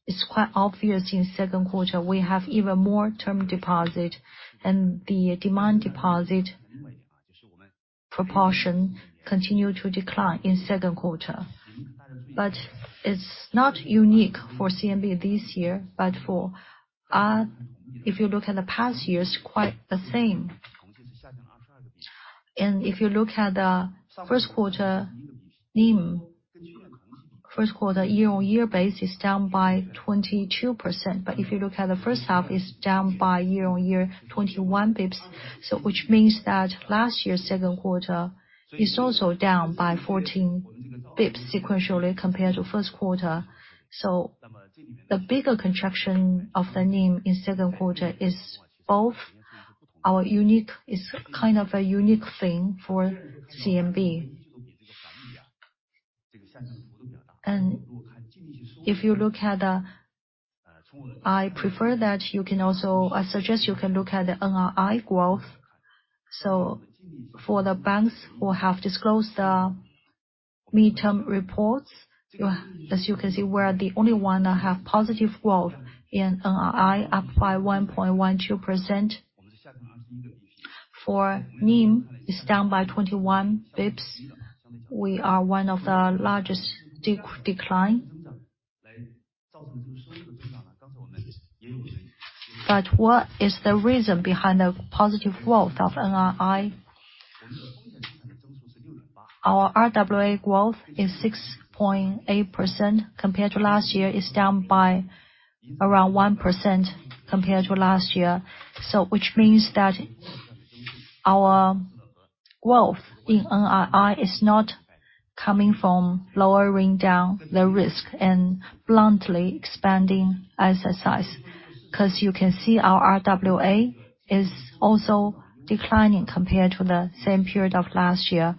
It's quite obvious in second quarter, we have even more term deposit, and the demand deposit proportion continued to decline in second quarter. But it's not unique for CMB this year, but for, if you look at the past years, quite the same. And if you look at the first quarter, NIM, first quarter year-on-year base is down by 22%. But if you look at the first half, it's down by year-on-year, 21 basis points. So which means that last year's second quarter is also down by 14 basis points sequentially compared to first quarter. So the bigger contraction of the NIM in second quarter is both our unique... It's kind of a unique thing for CMB. And if you look at the-- I prefer that you can also... I suggest you can look at the NII growth. So for the banks who have disclosed the midterm reports, well, as you can see, we are the only one that have positive growth in NII, up by 1.12%. For NIM, it's down by 21 bps. We are one of the largest declines. But what is the reason behind the positive growth of NII? Our RWA growth is 6.8% compared to last year. It's down by around 1% compared to last year. So which means that our growth in NII is not coming from lowering down the risk and bluntly expanding asset size. 'Cause you can see our RWA is also declining compared to the same period of last year.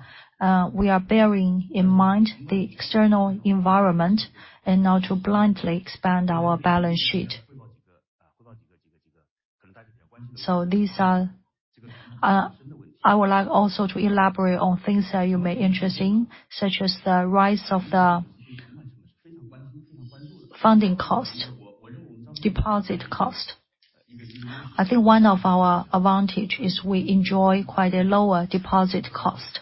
We are bearing in mind the external environment and not to blindly expand our balance sheet. So these are, I would like also to elaborate on things that you may interesting, such as the rise of the funding cost, deposit cost. I think one of our advantage is we enjoy quite a lower deposit cost.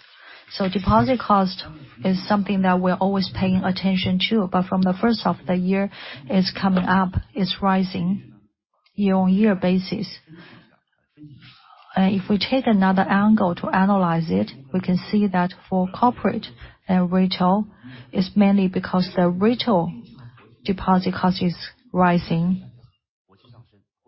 So deposit cost is something that we're always paying attention to, but from the first half of the year, it's coming up, it's rising year-on-year basis. If we take another angle to analyze it, we can see that for corporate and retail, it's mainly because the retail deposit cost is rising.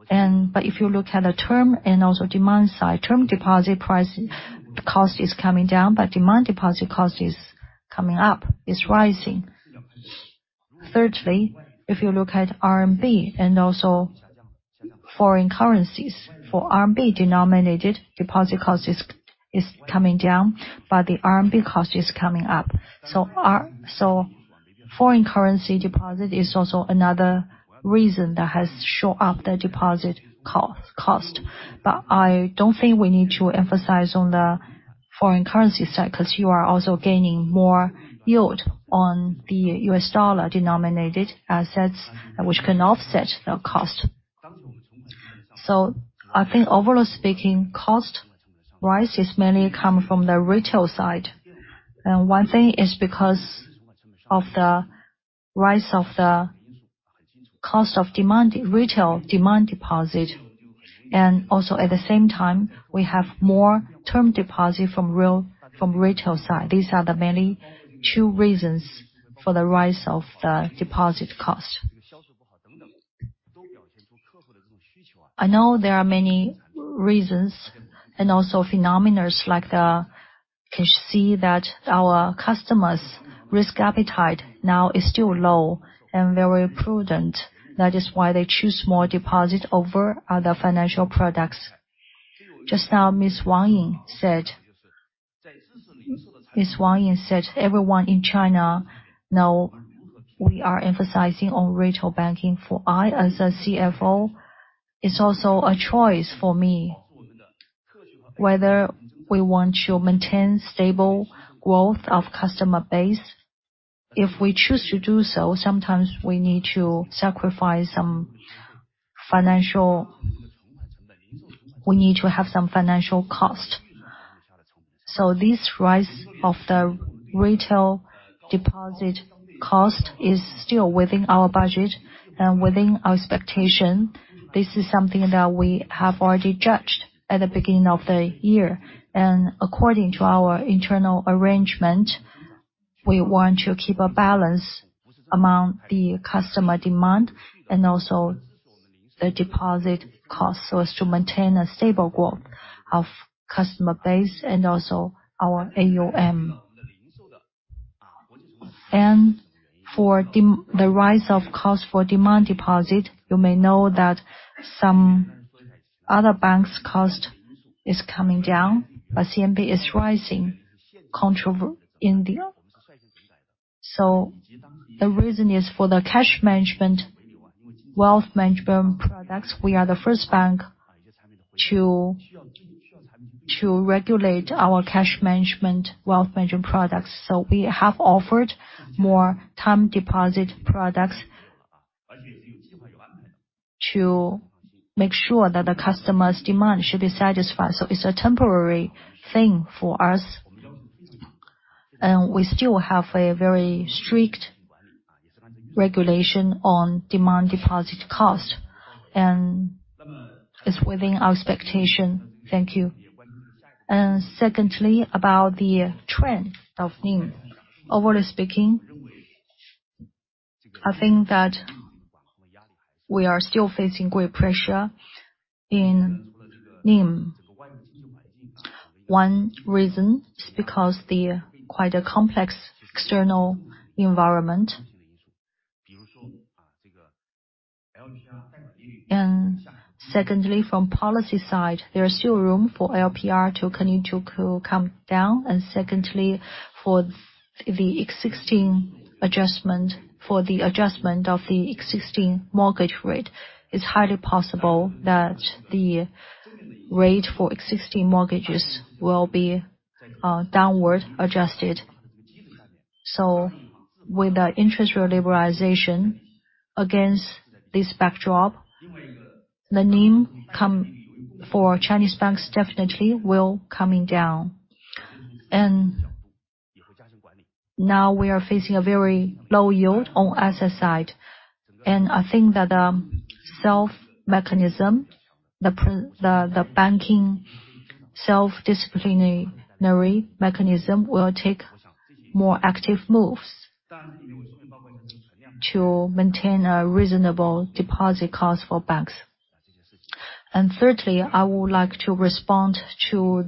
But if you look at the term and also demand side, term deposit cost is coming down, but demand deposit cost is coming up, it's rising. Thirdly, if you look at RMB and also foreign currencies. For RMB-denominated deposit cost is coming down, but the foreign currency cost is coming up. So foreign currency deposit is also another reason that has shown up the deposit cost. But I don't think we need to emphasize on the foreign currency side, 'cause you are also gaining more yield on the U.S. dollar-denominated assets, which can offset the cost. So I think overall speaking, cost rise is mainly coming from the retail side. And one thing is because of the rise of the cost of demand, retail demand deposit, and also at the same time, we have more term deposit from retail, from retail side. These are the main two reasons for the rise of the deposit cost. I know there are many reasons and also phenomenons, like the... We can see that our customers' risk appetite now is still low and very prudent. That is why they choose more deposit over other financial products. Just now, Ms. Wang said everyone in China know we are emphasizing on retail banking. For I, as a CFO, it's also a choice for me, whether we want to maintain stable growth of customer base. If we choose to do so, sometimes we need to sacrifice some financial. We need to have some financial cost. So this rise of the retail deposit cost is still within our budget and within our expectation. This is something that we have already judged at the beginning of the year. And according to our internal arrangement, we want to keep a balance among the customer demand and also the deposit cost, so as to maintain a stable growth of customer base and also our AUM. And for the rise of cost for demand deposit, you may know that some other banks' cost is coming down, but CMB is rising contrary in there. So the reason is for the cash management, wealth management products, we are the first bank to regulate our cash management, wealth management products. So we have offered more time deposit products to make sure that the customer's demand should be satisfied. So it's a temporary thing for us, and we still have a very strict regulation on demand deposit cost, and it's within our expectation. Thank you. And secondly, about the trend of NIM. Overall speaking, I think that we are still facing great pressure in NIM. One reason is because the quite a complex external environment. And secondly, from policy side, there is still room for LPR to continue to come down. And secondly, for the existing adjustment, for the adjustment of the existing mortgage rate, it's highly possible that the rate for existing mortgages will be downward adjusted. So with the interest rate liberalization against this backdrop, the NIM for Chinese banks definitely will be coming down. Now we are facing a very low yield on asset side. I think that the banking self-disciplinary mechanism will take more active moves to maintain a reasonable deposit cost for banks. Thirdly, I would like to respond to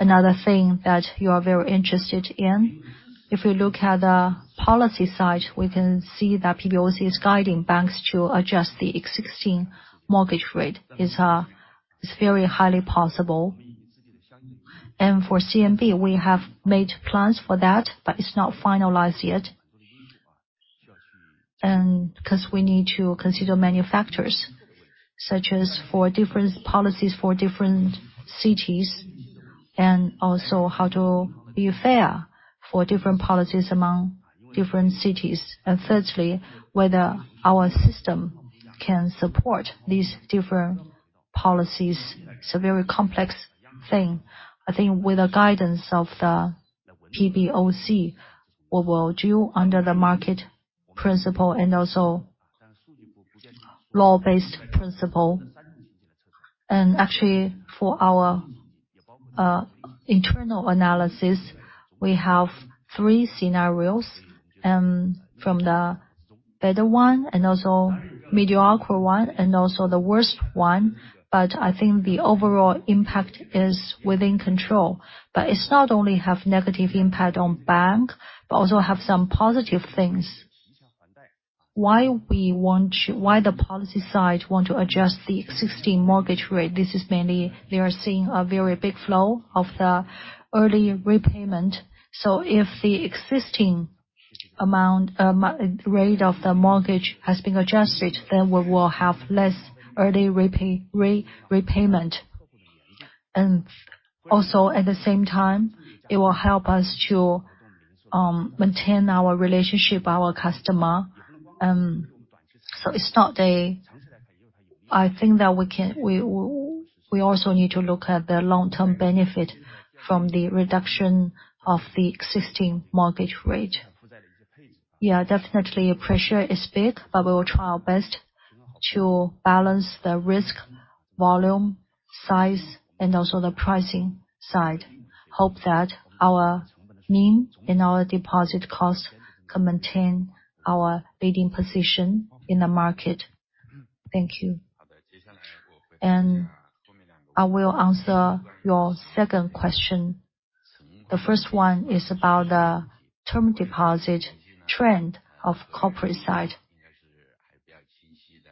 another thing that you are very interested in. If you look at the policy side, we can see that PBOC is guiding banks to adjust the existing mortgage rate. It's very highly possible. For CMB, we have made plans for that, but it's not finalized yet. 'Cause we need to consider many factors, such as for different policies for different cities, and also how to be fair for different policies among different cities. And thirdly, whether our system can support these different policies. It's a very complex thing. I think with the guidance of the PBOC, we will do under the market principle and also law-based principle. And actually, for our internal analysis, we have three scenarios, from the better one, and also mediocre one, and also the worst one, but I think the overall impact is within control. But it's not only have negative impact on bank, but also have some positive things. Why the policy side want to adjust the existing mortgage rate? This is mainly they are seeing a very big flow of the early repayment. So if the existing amount, rate of the mortgage has been adjusted, then we will have less early repayment. And also, at the same time, it will help us to maintain our relationship with our customer. I think that we also need to look at the long-term benefit from the reduction of the existing mortgage rate. Yeah, definitely, pressure is big, but we will try our best to balance the risk, volume, size, and also the pricing side. Hope that our NIM and our deposit cost can maintain our leading position in the market. Thank you. I will answer your second question. The first one is about the term deposit trend of corporate side.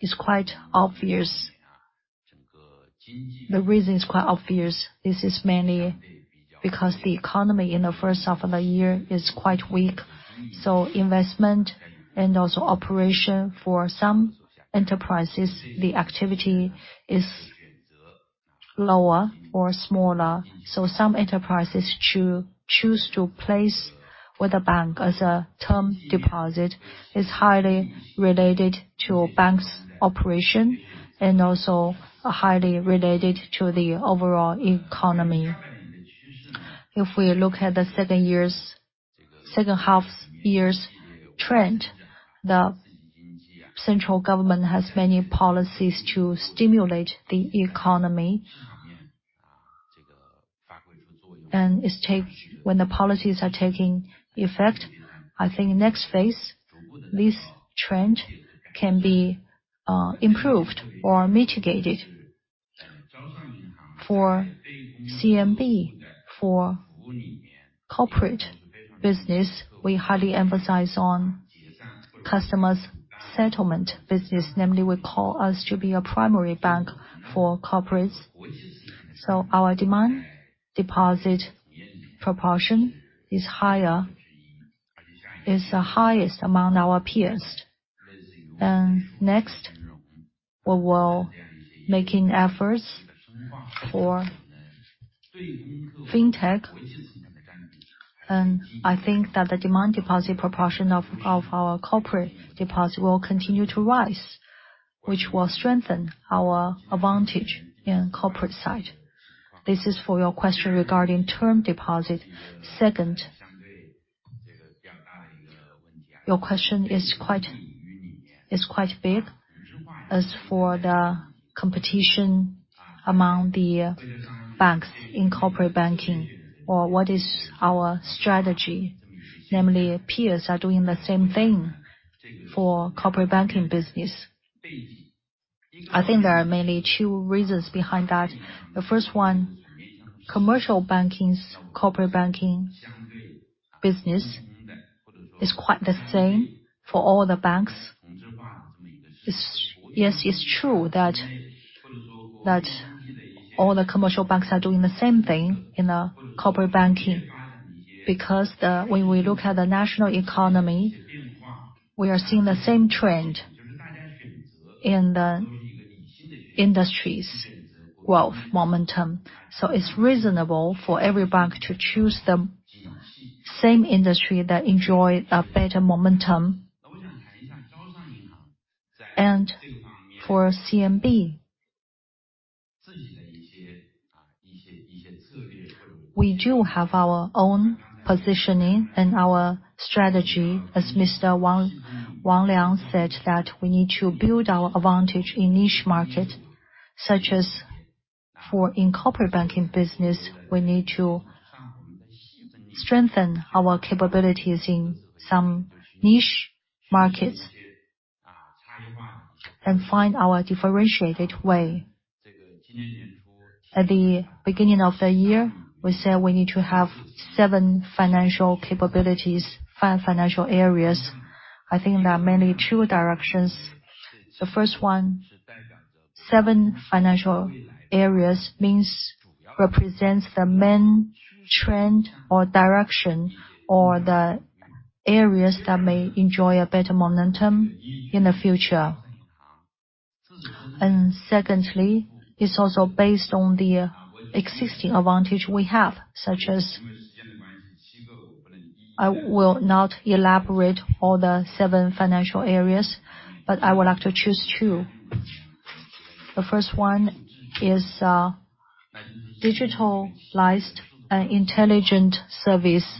It's quite obvious. The reason is quite obvious. This is mainly because the economy in the first half of the year is quite weak, so investment and also operation for some enterprises, the activity is lower or smaller. So some enterprises choose to place with a bank as a term deposit. It's highly related to a bank's operation, and also highly related to the overall economy. If we look at the second half year's trend, the central government has many policies to stimulate the economy. When the policies are taking effect, I think next phase, this trend can be improved or mitigated. For CMB, for corporate business, we highly emphasize on customers' settlement business, namely, we call us to be a primary bank for corporates. So our demand deposit proportion is higher, is the highest among our peers. And next, we will making efforts for fintech. And I think that the demand deposit proportion of, of our corporate deposit will continue to rise, which will strengthen our advantage in corporate side. This is for your question regarding term deposit. Second, your question is quite big. As for the competition among the banks in corporate banking or what is our strategy, namely, peers are doing the same thing for corporate banking business. I think there are mainly two reasons behind that. The first one, commercial banking's corporate banking business is quite the same for all the banks. Yes, it's true that all the commercial banks are doing the same thing in the corporate banking. Because when we look at the national economy, we are seeing the same trend in the industry's growth momentum. So it's reasonable for every bank to choose the same industry that enjoy a better momentum. And for CMB, we do have our own positioning and our strategy. As Mr. Wang Liang said that we need to build our advantage in niche market, such as for in corporate banking business, we need to strengthen our capabilities in some niche markets, and find our differentiated way. At the beginning of the year, we said we need to have seven financial capabilities, five financial areas. I think there are mainly two directions. The first one, seven financial areas means represents the main trend or direction or the areas that may enjoy a better momentum in the future. And secondly, it's also based on the existing advantage we have, such as... I will not elaborate all the seven financial areas, but I would like to choose two. The first one is digitalized and intelligent service,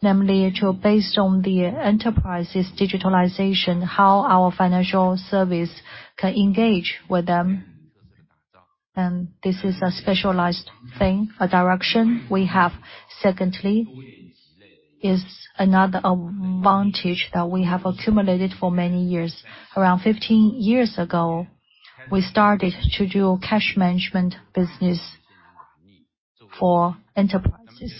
namely to based on the enterprise's digitalization, how our financial service can engage with them. And this is a specialized thing, a direction we have. Secondly, is another advantage that we have accumulated for many years. Around 15 years ago, we started to do cash management business for enterprises,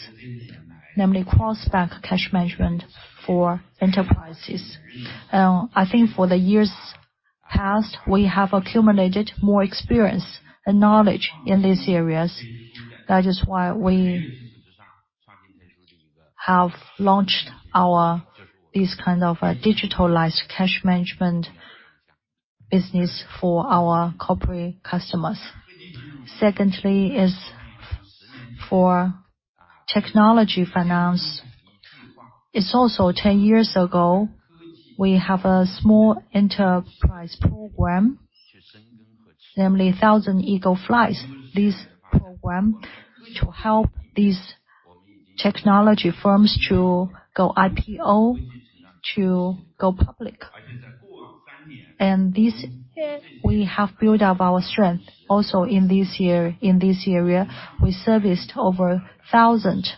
namely, cross-bank cash management for enterprises. I think for the years past, we have accumulated more experience and knowledge in these areas. That is why we have launched our—this kind of, digitalized cash management business for our corporate customers. Secondly is for technology finance. It's also 10 years ago, we have a small enterprise program, namely, Thousand Eagle Flights. This program to help these technology firms to go IPO, to go public. And this, we have built up our strength also in this year, in this area. We serviced over 1,000,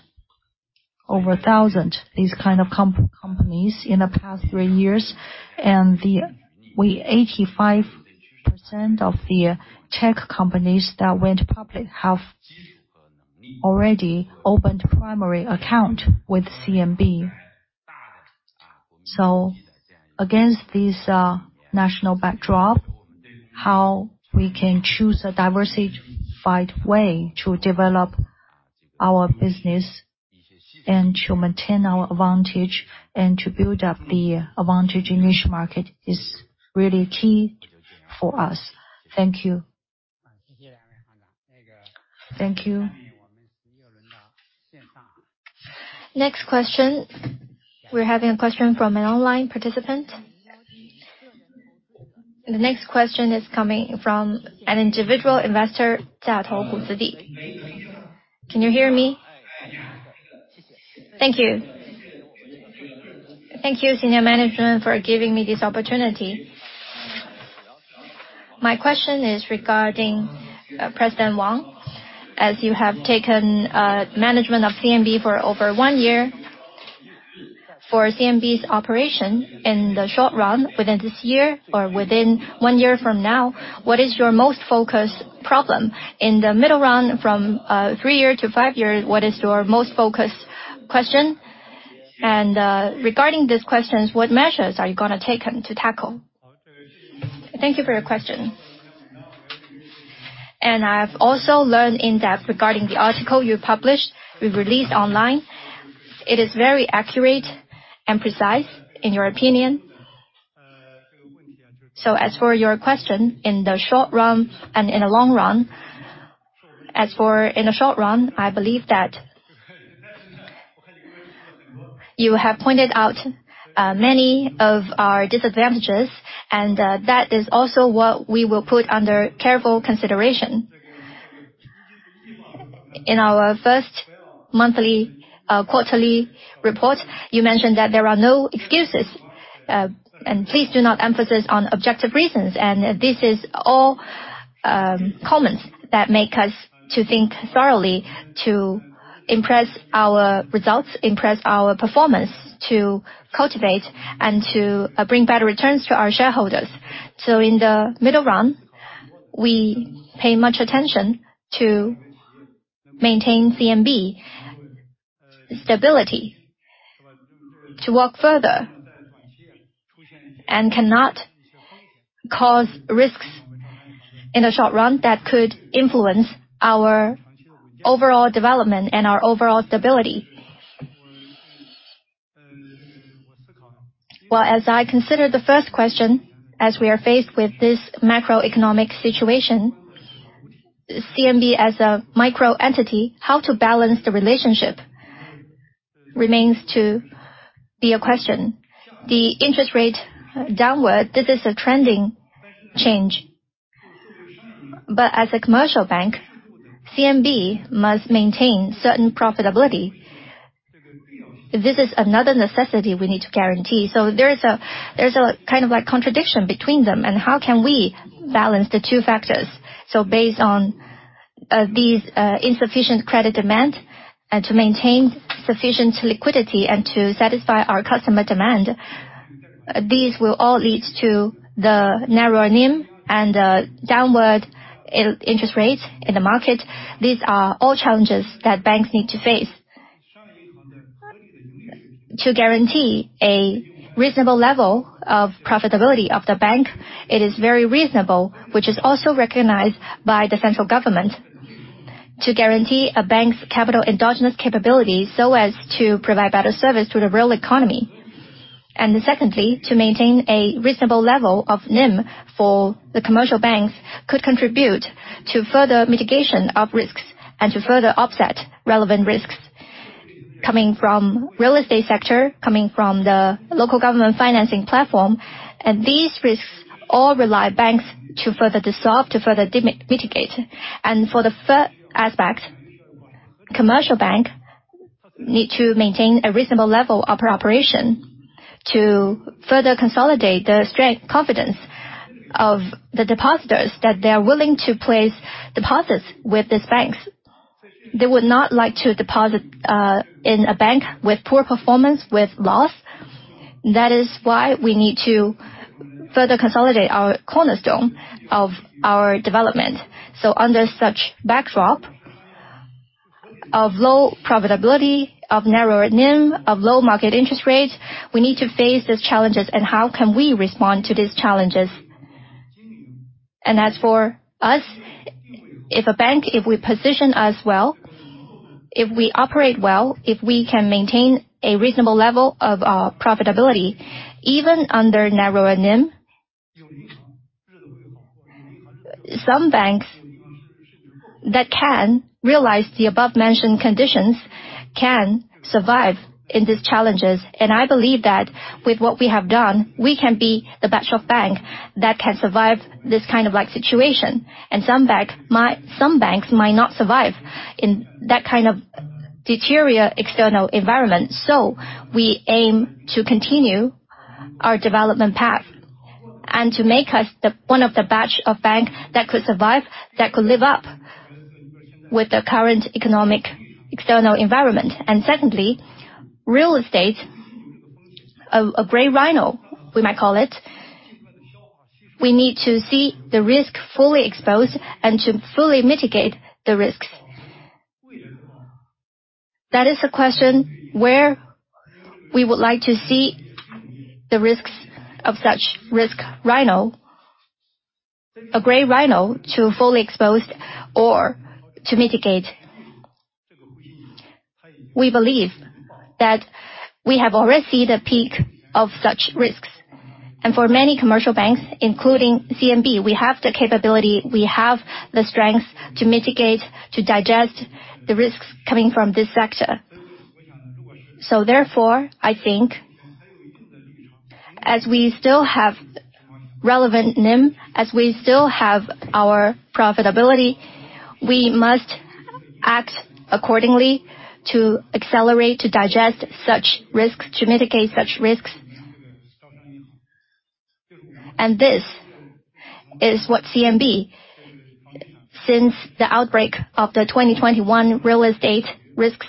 over 1,000, these kind of companies in the past three years. And 85% of the tech companies that went public have already opened primary account with CMB. So against this national backdrop, how we can choose a diversified way to develop our business and to maintain our advantage and to build up the advantage in niche market is really key for us. Thank you. Thank you. Next question. We're having a question from an online participant. The next question is coming from an individual investor, Datou Huzidi. Can you hear me? Yes. Thank you. Thank you, senior management, for giving me this opportunity. My question is regarding President Wang. As you have taken management of CMB for over one year, for CMB's operation in the short run, within this year or within one year from now, what is your most focused problem? In the middle round, from three years to five years, what is your most focused question? Regarding these questions, what measures are you gonna taken to tackle? Thank you for your question. I've also learned in-depth regarding the article you published, we released online. It is very accurate and precise, in your opinion. As for your question, in the short run and in the long run, as for in the short run, I believe that you have pointed out many of our disadvantages, and that is also what we will put under careful consideration. In our first monthly, quarterly report, you mentioned that there are no excuses, and please do not emphasize on objective reasons. This is all comments that make us to think thoroughly to impress our results, impress our performance, to cultivate and to bring better returns to our shareholders. So in the middle run, we pay much attention to maintain CMB stability, to work further, and cannot cause risks in the short run that could influence our overall development and our overall stability. Well, as I consider the first question, as we are faced with this macroeconomic situation, CMB as a micro entity, how to balance the relationship remains to be a question. The interest rate downward, this is a trending change. But as a commercial bank, CMB must maintain certain profitability. This is another necessity we need to guarantee. So there is a kind of, like, contradiction between them, and how can we balance the two factors? So based on these insufficient credit demand, and to maintain sufficient liquidity and to satisfy our customer demand, these will all lead to the narrower NIM and downward interest rates in the market. These are all challenges that banks need to face. To guarantee a reasonable level of profitability of the bank, it is very reasonable, which is also recognized by the central government, to guarantee a bank's capital endogenous capability so as to provide better service to the real economy. And secondly, to maintain a reasonable level of NIM for the commercial banks could contribute to further mitigation of risks and to further offset relevant risks coming from real estate sector, coming from the local government financing platform. And these risks all rely banks to further dissolve, to further mitigate. And for the third aspect, commercial bank need to maintain a reasonable level of operation to further consolidate the strength, confidence of the depositors that they are willing to place deposits with these banks. They would not like to deposit in a bank with poor performance, with loss. That is why we need to further consolidate our cornerstone of our development. So under such backdrop of low profitability, of narrower NIM, of low market interest rates, we need to face these challenges, and how can we respond to these challenges? And as for us, if a bank, if we position us well, if we operate well, if we can maintain a reasonable level of profitability, even under narrower NIM, some banks that can realize the above-mentioned conditions can survive in these challenges. And I believe that with what we have done, we can be the batch of banks that can survive this kind of, like, situation. And some banks might not survive in that kind of deteriorating external environment. So we aim to continue our development path and to make us the one of the batch of bank that could survive, that could live up with the current economic external environment. And secondly, real estate, a gray rhino, we might call it, we need to see the risk fully exposed and to fully mitigate the risks. That is a question where we would like to see the risks of such risk rhino, a gray rhino, to fully exposed or to mitigate. We believe that we have already seen the peak of such risks, and for many commercial banks, including CMB, we have the capability, we have the strength to mitigate, to digest the risks coming from this sector. So therefore, I think as we still have relevant NIM, as we still have our profitability, we must act accordingly to accelerate, to digest such risks, to mitigate such risks. This is what CMB, since the outbreak of the 2021 real estate risks,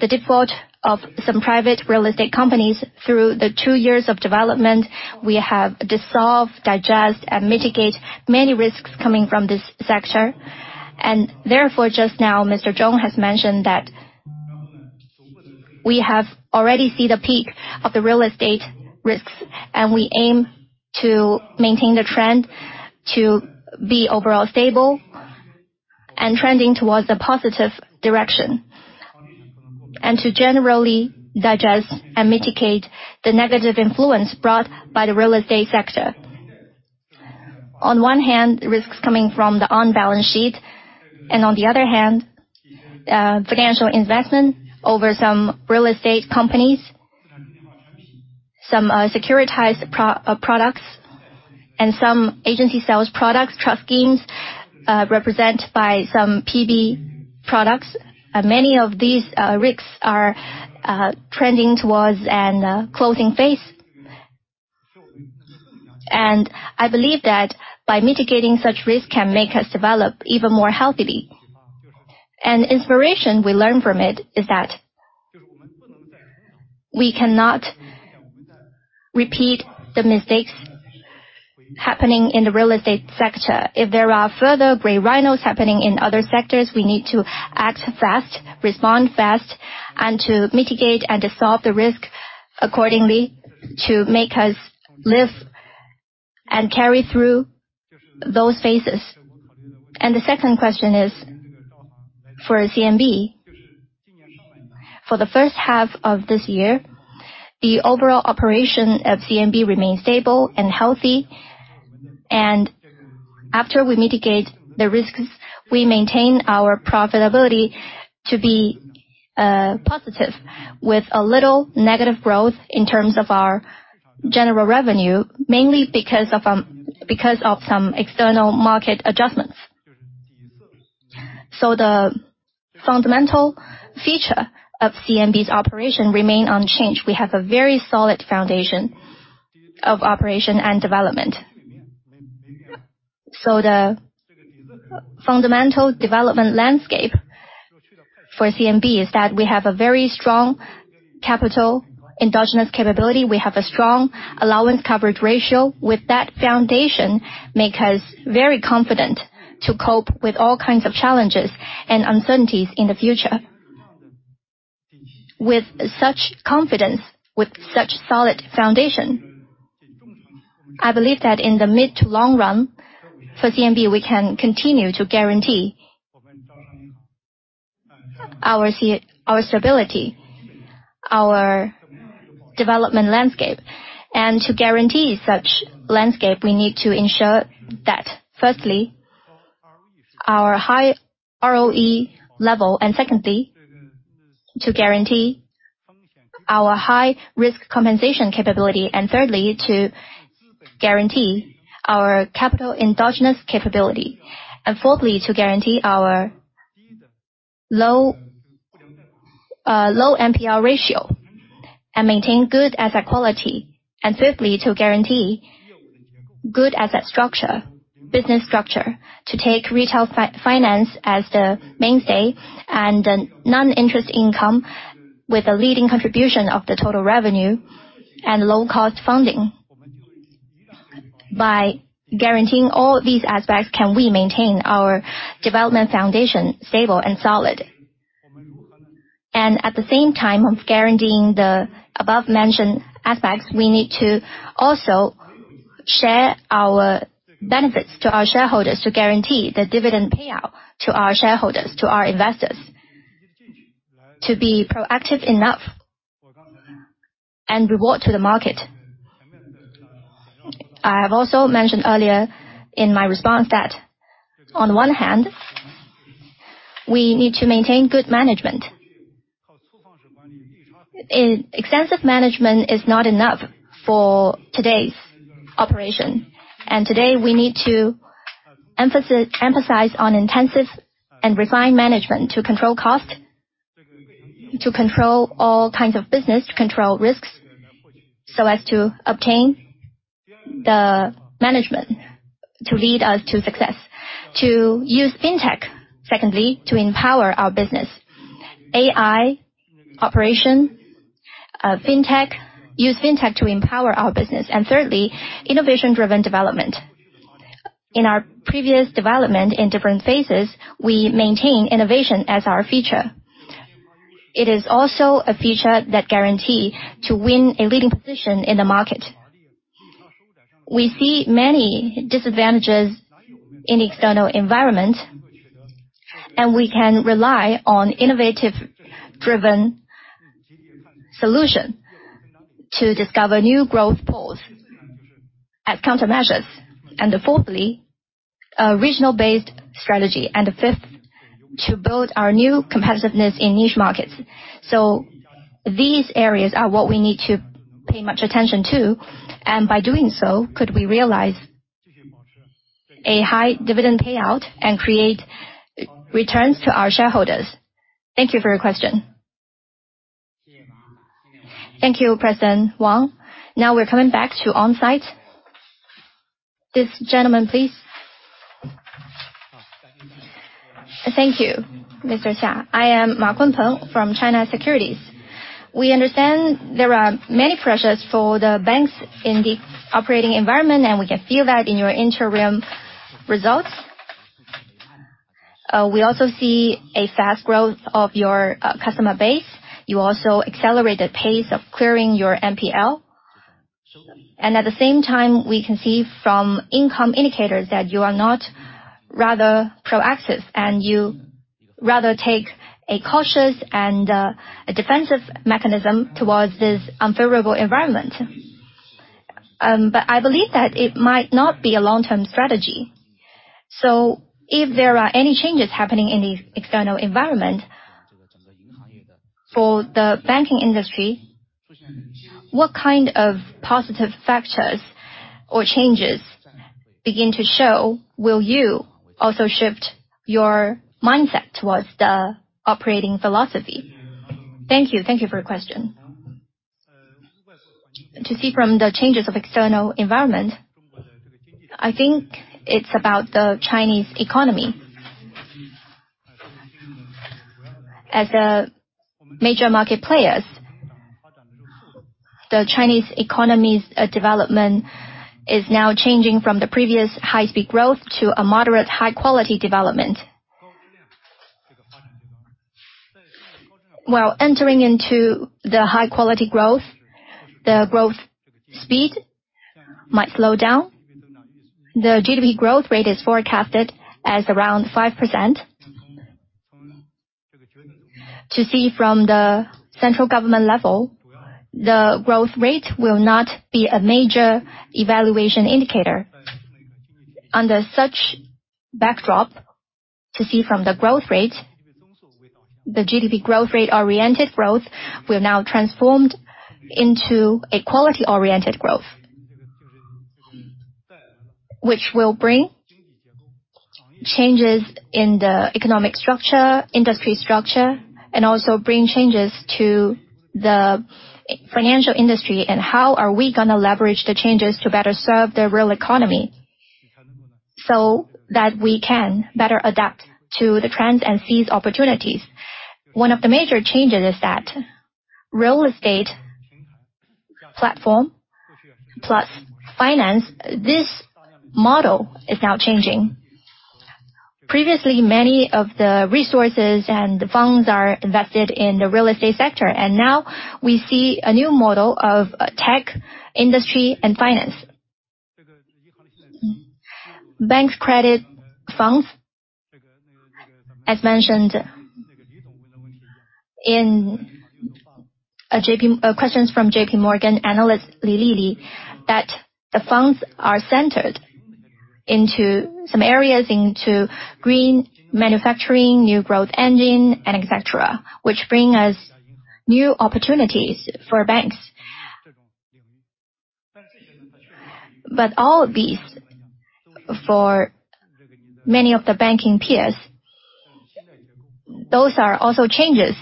the default of some private real estate companies through the two years of development, we have dissolved, digest, and mitigate many risks coming from this sector. And therefore, just now, Mr. Zhong has mentioned that we have already seen the peak of the real estate risks, and we aim to maintain the trend to be overall stable and trending towards the positive direction, and to generally digest and mitigate the negative influence brought by the real estate sector. On one hand, risks coming from the on-balance sheet, and on the other hand, financial investment over some real estate companies, some securitized products, and some agency sales products, trust schemes, represented by some PB products. Many of these risks are trending towards an closing phase. I believe that by mitigating such risk can make us develop even more healthily. The inspiration we learn from it is that we cannot repeat the mistakes happening in the real estate sector. If there are further gray rhinos happening in other sectors, we need to act fast, respond fast, and to mitigate and dissolve the risk accordingly to make us live and carry through those phases. The second question is, for CMB, for the first half of this year, the overall operation of CMB remains stable and healthy. After we mitigate the risks, we maintain our profitability to be positive, with a little negative growth in terms of our general revenue, mainly because of some external market adjustments. So the fundamental feature of CMB's operation remain unchanged. We have a very solid foundation of operation and development. So the fundamental development landscape for CMB is that we have a very strong capital endogenous capability. We have a strong allowance coverage ratio. With that foundation, make us very confident to cope with all kinds of challenges and uncertainties in the future. With such confidence, with such solid foundation, I believe that in the mid to long run, for CMB, we can continue to guarantee our our stability, our development landscape. To guarantee such landscape, we need to ensure that firstly, our high ROE level, and secondly, to guarantee our high-risk compensation capability, and thirdly, to guarantee our capital endogenous capability, and fourthly, to guarantee our low, low NPL ratio and maintain good asset quality, and fifthly, to guarantee good asset structure, business structure, to take retail finance as the mainstay and the non-interest income with a leading contribution of the total revenue and low cost funding. By guaranteeing all these aspects, can we maintain our development foundation stable and solid? And at the same time, of guaranteeing the above-mentioned aspects, we need to also share our benefits to our shareholders to guarantee the dividend payout to our shareholders, to our investors, to be proactive enough and reward to the market. I have also mentioned earlier in my response that on one hand, we need to maintain good management. Extensive management is not enough for today's operation, and today, we need to emphasize on intensive and refined management to control cost, to control all kinds of business, to control risks, so as to obtain the management to lead us to success. Secondly, to use fintech to empower our business. Thirdly, innovation-driven development. In our previous development in different phases, we maintain innovation as our feature. It is also a feature that guarantee to win a leading position in the market. We see many disadvantages in the external environment, and we can rely on innovative-driven solution to discover new growth poles at countermeasures. Fourthly, a regional-based strategy. Fifth, to build our new competitiveness in niche markets. These areas are what we need to pay much attention to, and by doing so, could we realize a high dividend payout and create returns to our shareholders. Thank you for your question. Thank you, President Wang. Now we're coming back to on-site. This gentleman, please. Thank you, Mr. Xia. I am Ma Kunpeng from China Securities. We understand there are many pressures for the banks in the operating environment, and we can feel that in your interim results. We also see a fast growth of your customer base. You also accelerate the pace of clearing your NPL. And at the same time, we can see from income indicators that you are not rather proactive, and you rather take a cautious and a defensive mechanism towards this unfavorable environment. But I believe that it might not be a long-term strategy. So if there are any changes happening in the external environment for the banking industry, what kind of positive factors or changes begin to show, will you also shift your mindset towards the operating philosophy? Thank you. Thank you for your question. To see from the changes of external environment, I think it's about the Chinese economy. As major market players, the Chinese economy's development is now changing from the previous high-speed growth to a moderate high-quality development. While entering into the high-quality growth, the growth speed might slow down. The GDP growth rate is forecasted as around 5%. To see from the central government level, the growth rate will not be a major evaluation indicator. Under such backdrop, to see from the growth rate, the GDP growth rate-oriented growth will now transformed into a quality-oriented growth, which will bring changes in the economic structure, industry structure, and also bring changes to the financial industry, and how are we gonna leverage the changes to better serve the real economy, so that we can better adapt to the trends and seize opportunities. One of the major changes is that real estate platform plus finance, this model is now changing. Previously, many of the resources and the funds are invested in the real estate sector, and now we see a new model of tech, industry, and finance. Bank's credit funds, as mentioned in questions from JPMorgan analyst, Li Li, that the funds are centered into some areas, into green manufacturing, new growth engine, and et cetera, which bring us new opportunities for banks. But all these, for many of the banking peers, those are also changes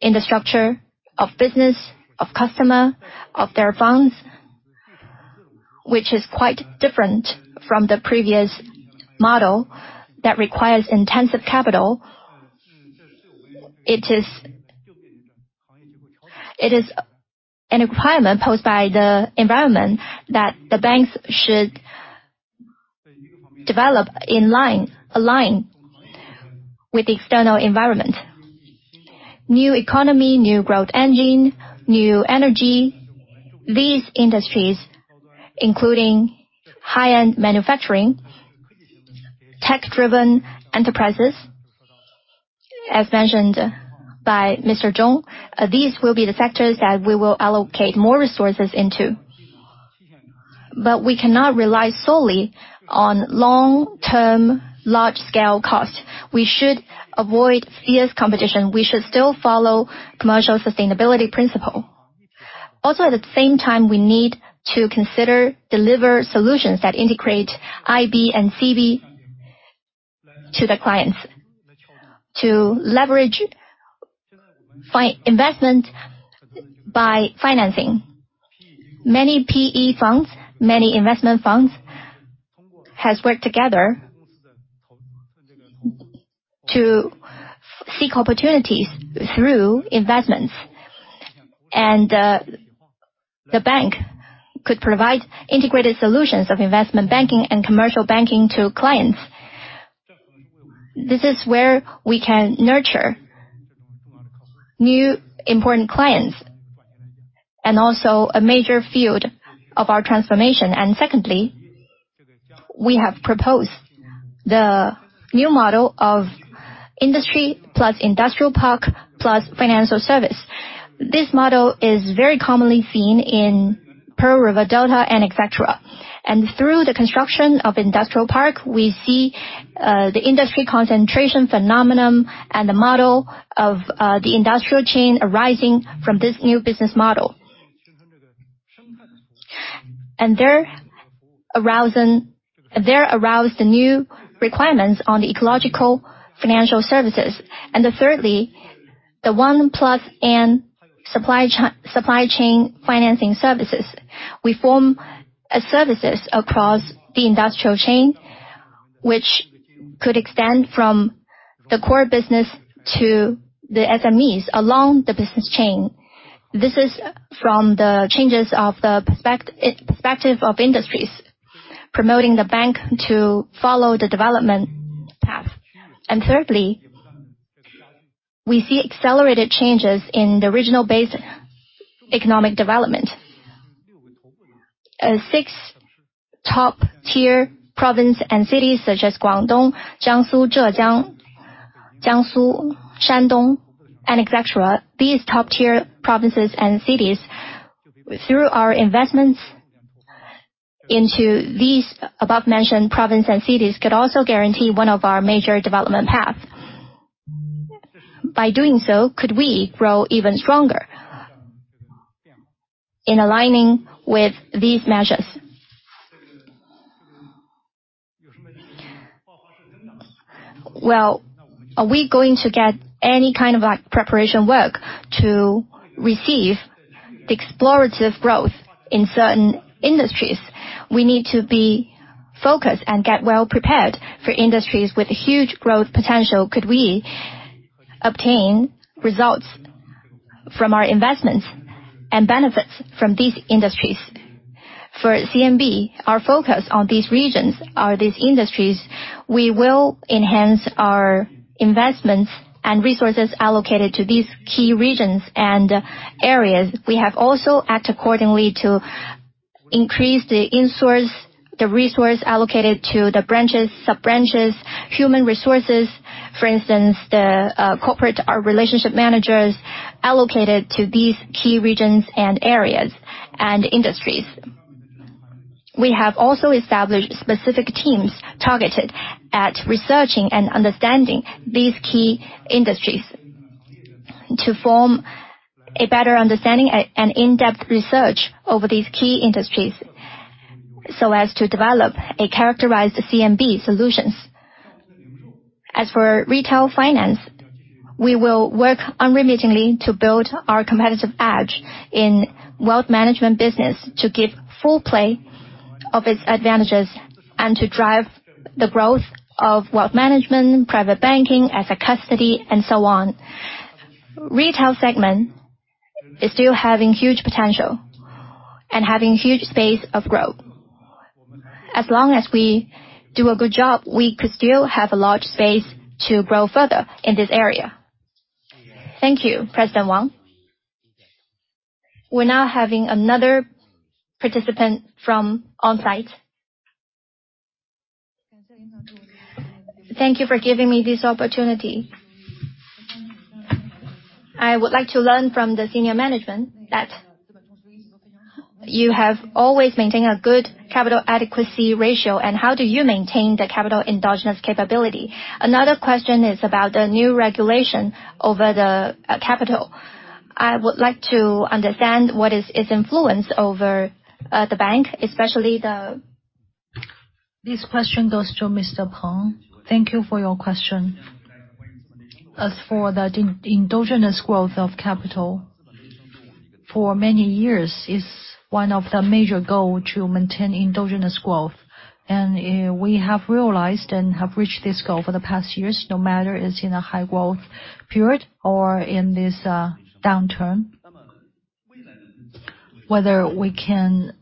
in the structure of business, of customer, of their funds, which is quite different from the previous model that requires intensive capital. It is a requirement posed by the environment that the banks should develop in line, align with the external environment. New economy, new growth engine, new energy, these industries, including high-end manufacturing, tech-driven enterprises, as mentioned by Mr. Zhong, these will be the sectors that we will allocate more resources into. But we cannot rely solely on long-term, large-scale cost. We should avoid fierce competition. We should still follow commercial sustainability principle. Also, at the same time, we need to consider deliver solutions that integrate IB and CB to the clients to leverage investment by financing. Many PE funds, many investment funds, has worked together to seek opportunities through investments. And, the bank could provide integrated solutions of investment banking and commercial banking to clients. This is where we can nurture new important clients, and also a major field of our transformation. And secondly, we have proposed the new model of industry plus industrial park plus financial service. This model is very commonly seen in Pearl River Delta and et cetera. Through the construction of industrial park, we see the industry concentration phenomenon and the model of the industrial chain arising from this new business model. And there arise the new requirements on the ecological financial services. And thirdly, the 1+N supply chain financing services. We form a services across the industrial chain, which could extend from the core business to the SMEs along the business chain. This is from the changes of the perspective of industries, promoting the bank to follow the development path. And thirdly, we see accelerated changes in the regional base economic development. Six top-tier province and cities such as Guangdong, Jiangsu, Zhejiang, Jiangsu, Shandong, and et cetera. These top-tier provinces and cities, through our investments into these above-mentioned province and cities, could also guarantee one of our major development path. By doing so, could we grow even stronger in aligning with these measures? Well, are we going to get any kind of, like, preparation work to receive the explorative growth in certain industries? We need to be focused and get well prepared for industries with huge growth potential. Could we obtain results from our investments and benefits from these industries? For CMB, our focus on these regions or these industries, we will enhance our investments and resources allocated to these key regions and areas. We have also act accordingly to increase the insource, the resource allocated to the branches, sub-branches, human resources. For instance, the corporate, our relationship managers allocated to these key regions and areas and industries. We have also established specific teams targeted at researching and understanding these key industries, to form a better understanding and in-depth research over these key industries, so as to develop a characterized CMB solutions. As for retail finance, we will work unremittingly to build our competitive edge in wealth management business, to give full play of its advantages and to drive the growth of wealth management, private banking as a custody, and so on. Retail segment is still having huge potential and having huge space of growth. As long as we do a good job, we could still have a large space to grow further in this area. Thank you, President Wang. We're now having another participant from on-site. Thank you for giving me this opportunity. I would like to learn from the senior management that you have always maintained a good capital adequacy ratio, and how do you maintain the capital endogenous capability? Another question is about the new regulation over the capital. I would like to understand what is its influence over the bank, especially. This question goes to Mr. Peng. Thank you for your question. As for the endogenous growth of capital, for many years, it's one of the major goal to maintain endogenous growth. And, we have realized and have reached this goal for the past years, no matter it's in a high growth period or in this, downturn. Whether we can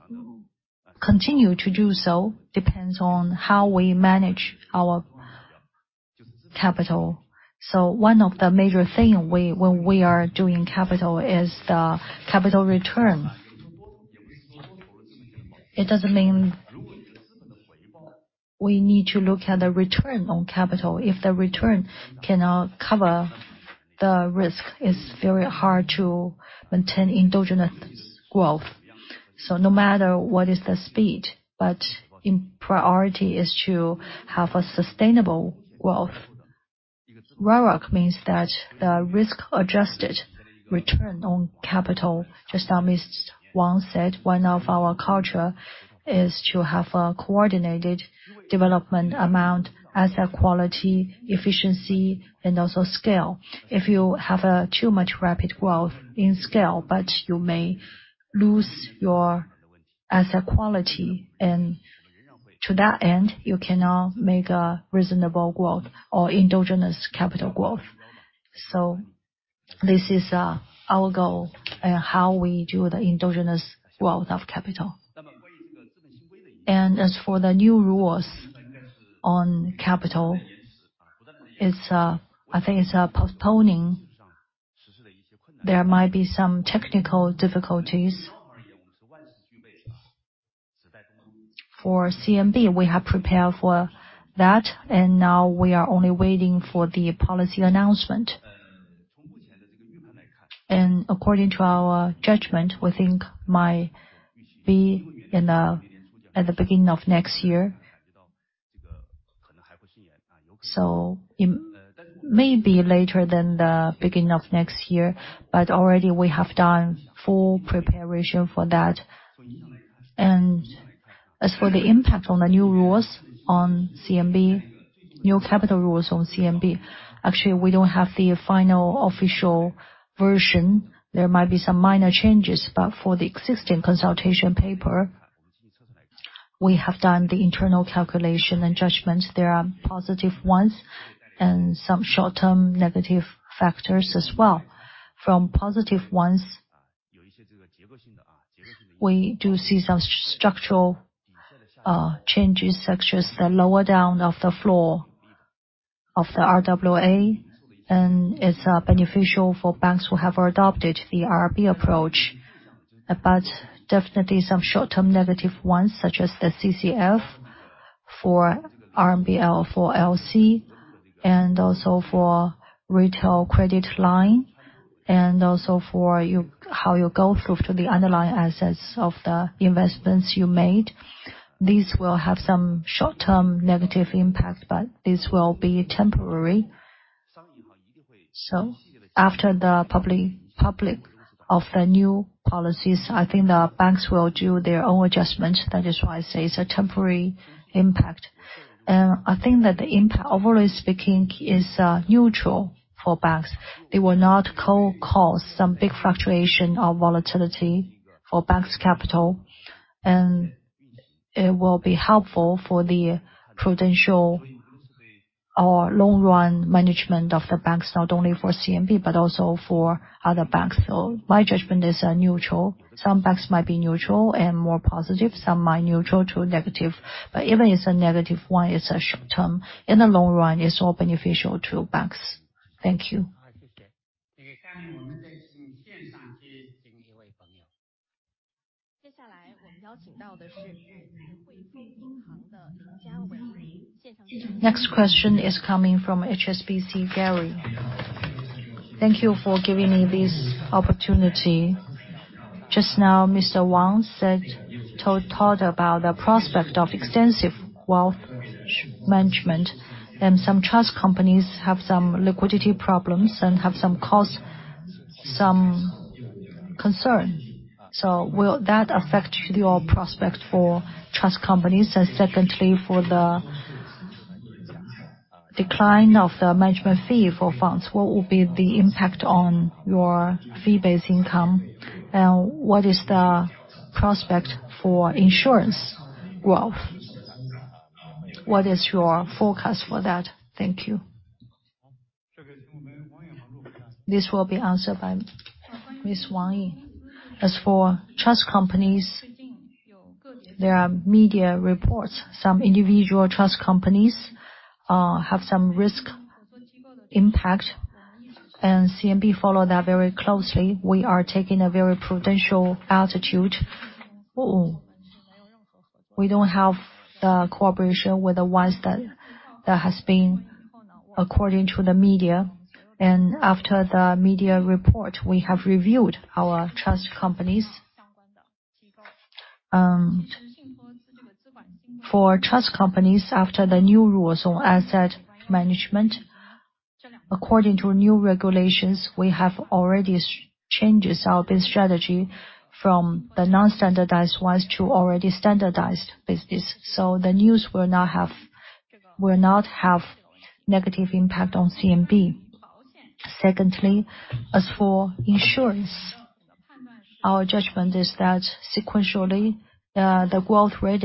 continue to do so, depends on how we manage our capital. So one of the major thing when we are doing capital is the capital return. It doesn't mean we need to look at the return on capital. If the return cannot cover the risk, it's very hard to maintain endogenous growth. So no matter what is the speed, but in priority is to have a sustainable growth. ROIC means that the risk-adjusted return on capital, just as Mr. Wang said, one of our culture is to have a coordinated development amount, asset quality, efficiency, and also scale. If you have too much rapid growth in scale, but you may lose your asset quality, and to that end, you cannot make a reasonable growth or endogenous capital growth. So this is, our goal and how we do the endogenous growth of capital. And as for the new rules on capital, it's, I think it's, postponing. There might be some technical difficulties. For CMB, we have prepared for that, and now we are only waiting for the policy announcement. And according to our judgment, we think might be in the, at the beginning of next year. So it may be later than the beginning of next year, but already we have done full preparation for that. And as for the impact on the new rules on CMB, new capital rules on CMB, actually, we don't have the final official version. There might be some minor changes, but for the existing consultation paper, we have done the internal calculation and judgments. There are positive ones and some short-term negative factors as well. From positive ones, we do see some structural changes, such as the lower down of the floor of the RWA, and it's beneficial for banks who have adopted the IRB approach. But definitely some short-term negative ones, such as the CCF for RMBL, for LC, and also for retail credit line, and also for you, how you go through to the underlying assets of the investments you made. These will have some short-term negative impact, but this will be temporary. So after the publication of the new policies, I think the banks will do their own adjustments. That is why I say it's a temporary impact. I think that the impact, overall speaking, is neutral for banks. They will not co-cause some big fluctuation or volatility for banks capital, and it will be helpful for the prudential or long-run management of the banks, not only for CMB, but also for other banks. So my judgment is neutral. Some banks might be neutral and more positive, some might neutral to negative, but even it's a negative one, it's a short term. In the long run, it's all beneficial to banks. Thank you. Next question is coming from HSBC, Gary. Thank you for giving me this opportunity. Just now, Mr. Wang said, talked about the prospect of extensive wealth management, and some trust companies have some liquidity problems and have some cause, some concern. So will that affect your prospect for trust companies? And secondly, for the decline of the management fee for funds, what will be the impact on your fee-based income? And what is the prospect for insurance growth? What is your forecast for that? Thank you. This will be answered by Mr. Wang Liang. As for trust companies, there are media reports. Some individual trust companies have some risk impact, and CMB followed that very closely. We are taking a very prudential attitude. Oh, we don't have the cooperation with the ones that has been according to the media. And after the media report, we have reviewed our trust companies. For trust companies, after the new rules on asset management, according to new regulations, we have already changes our business strategy from the non-standardized ones to already standardized business. So the news will not have negative impact on CMB. Secondly, as for insurance, our judgment is that sequentially, the growth rate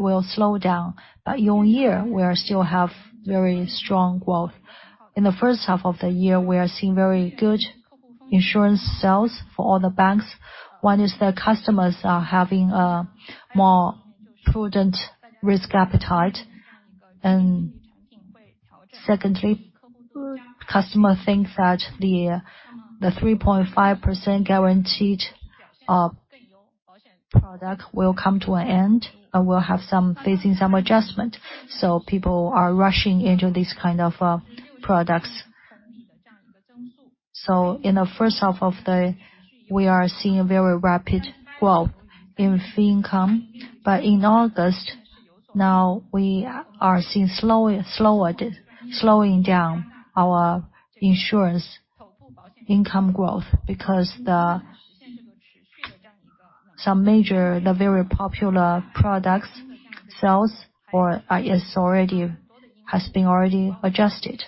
will slow down. But year on year, we are still have very strong growth. In the first half of the year, we are seeing very good insurance sales for all the banks. One is the customers are having a more prudent risk appetite. And secondly, customer thinks that the 3.5% guaranteed product will come to an end and will have some facing some adjustment, so people are rushing into these kind of products. So in the first half of the... We are seeing a very rapid growth in fee income. But in August, now we are seeing slower, slowing down our insurance income growth because the some major, the very popular products sales for is already, has been already adjusted.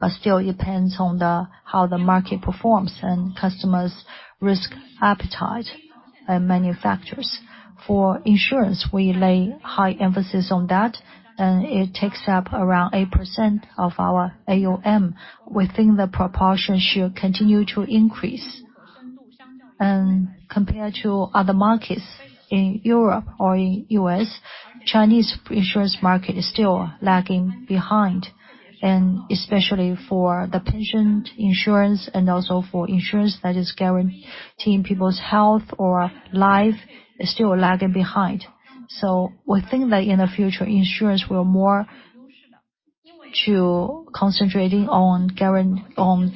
But still depends on the how the market performs, and customers' risk appetite and manufacturers. For insurance, we lay high emphasis on that, and it takes up around 8% of our AUM. We think the proportion should continue to increase. And compared to other markets in Europe or in the U.S., Chinese insurance market is still lagging behind, and especially for the pension insurance, and also for insurance that is guaranteeing people's health or life, is still lagging behind. So we think that in the future, insurance will more to concentrating on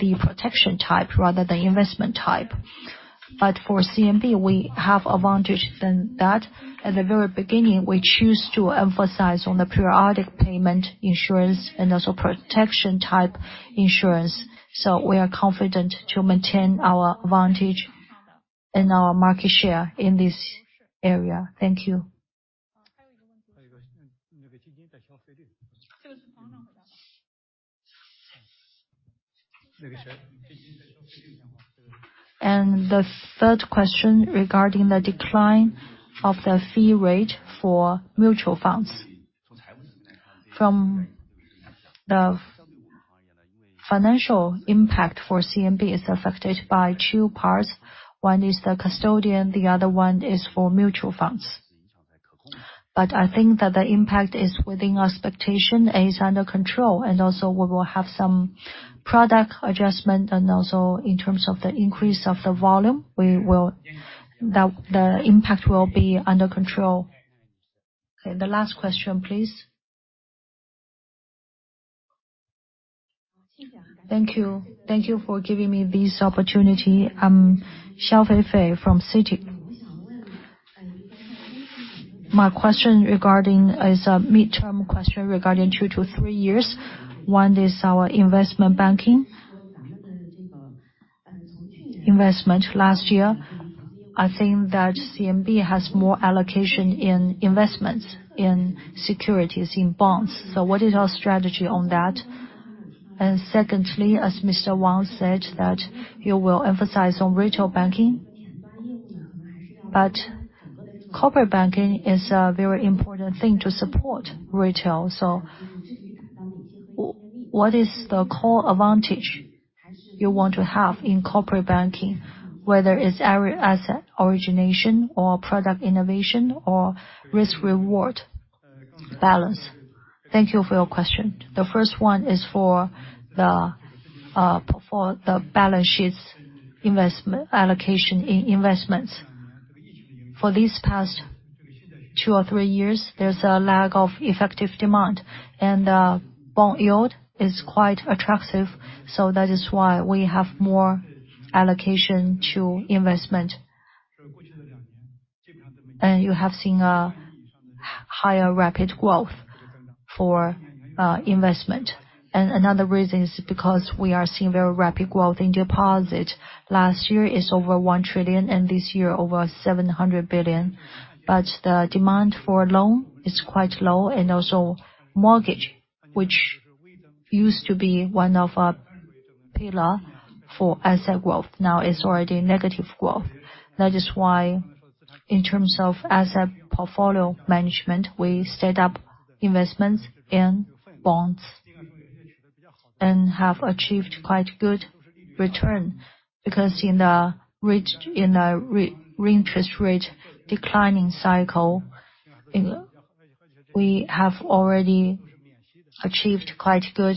the protection type rather than investment type. But for CMB, we have advantage than that. At the very beginning, we choose to emphasize on the periodic payment insurance and also protection type insurance. So we are confident to maintain our advantage and our market share in this area. Thank you. And the third question regarding the decline of the fee rate for mutual funds. From the financial impact for CMB is affected by two parts. One is the custodian, the other one is for mutual funds. But I think that the impact is within expectation, it is under control, and also we will have some product adjustment, and also in terms of the increase of the volume, we will, the impact will be under control. Okay, the last question, please. Thank you. Thank you for giving me this opportunity. I'm Zhang Xiaofei from Citi. My question regarding is a midterm question regarding two to three years. One is our investment banking. Investment last year, I think that CMB has more allocation in investments, in securities, in bonds. So what is our strategy on that? And secondly, as Mr. Wang said, that you will emphasize on retail banking, but corporate banking is a very important thing to support retail. So what is the core advantage you want to have in corporate banking, whether it's asset origination or product innovation or risk-reward balance? Thank you for your question. The first one is for the, for the balance sheets investment allocation in investments. For these past two or three years, there's a lack of effective demand, and bond yield is quite attractive, so that is why we have more allocation to investment. And you have seen a higher rapid growth for investment. And another reason is because we are seeing very rapid growth in deposit. Last year, it's over 1 trillion, and this year, over 700 billion. But the demand for loan is quite low, and also mortgage, which used to be one of our pillar for asset growth, now is already negative growth. That is why, in terms of asset portfolio management, we stayed up investments in bonds and have achieved quite good return. Because in the interest rate declining cycle, we have already achieved quite good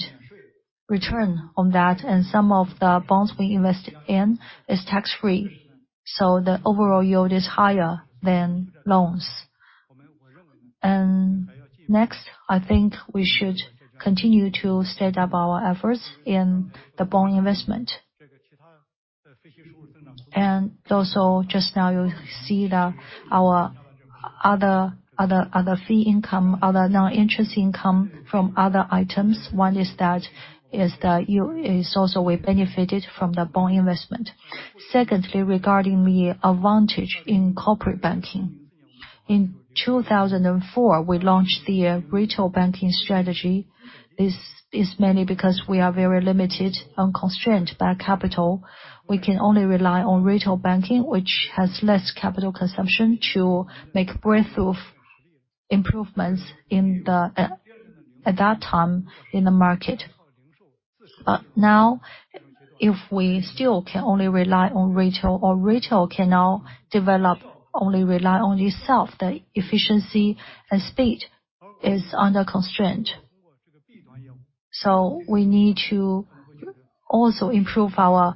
return on that, and some of the bonds we invest in is tax-free, so the overall yield is higher than loans. Next, I think we should continue to stay up our efforts in the bond investment. Also, just now, you see our other fee income, other non-interest income from other items. One is that we also benefited from the bond investment. Secondly, regarding the advantage in corporate banking. In 2004, we launched the retail banking strategy. This is mainly because we are very limited and constrained by capital. We can only rely on retail banking, which has less capital consumption, to make breakthrough improvements in the... At that time in the market. But now, if we still can only rely on retail, or retail cannot develop, only rely on itself, the efficiency and speed is under constraint. So we need to also improve our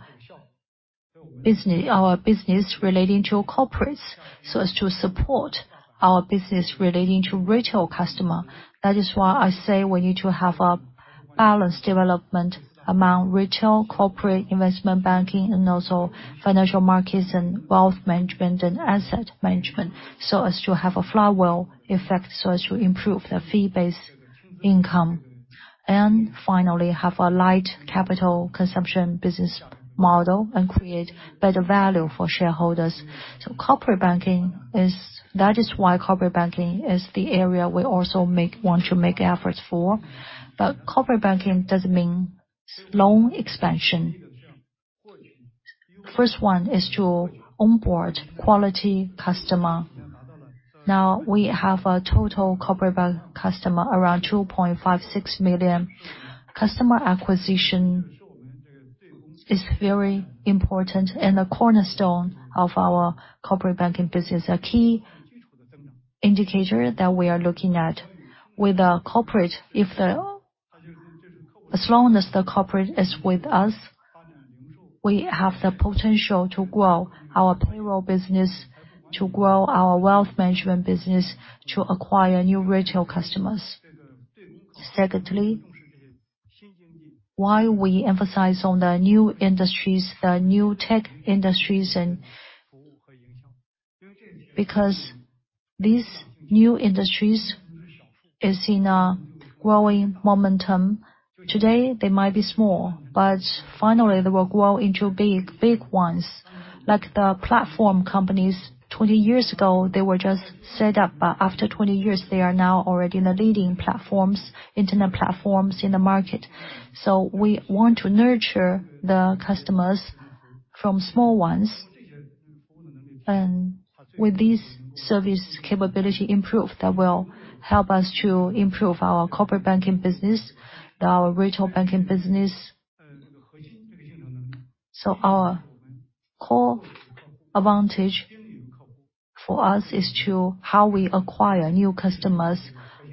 business, our business relating to corporates, so as to support our business relating to retail customer. That is why I say we need to have a balanced development among retail, corporate investment banking, and also financial markets and wealth management and asset management, so as to have a flywheel effect, so as to improve the fee-based income. And finally, have a light capital consumption business model and create better value for shareholders. So corporate banking is, that is why corporate banking is the area we also want to make efforts for. But corporate banking doesn't mean slow expansion.... First one is to onboard quality customer. Now, we have a total corporate bank customer around 2.56 million. Customer acquisition is very important, and the cornerstone of our corporate banking business, a key indicator that we are looking at. With a corporate, as long as the corporate is with us, we have the potential to grow our payroll business, to grow our wealth management business, to acquire new retail customers. Secondly, why we emphasize on the new industries, the new tech industries, and... Because these new industries is in a growing momentum. Today, they might be small, but finally, they will grow into big, big ones. Like the platform companies, 20 years ago, they were just set up, but after 20 years, they are now already the leading platforms, internet platforms in the market. So we want to nurture the customers from small ones, and with this service capability improved, that will help us to improve our corporate banking business, our retail banking business. So our core advantage for us is to how we acquire new customers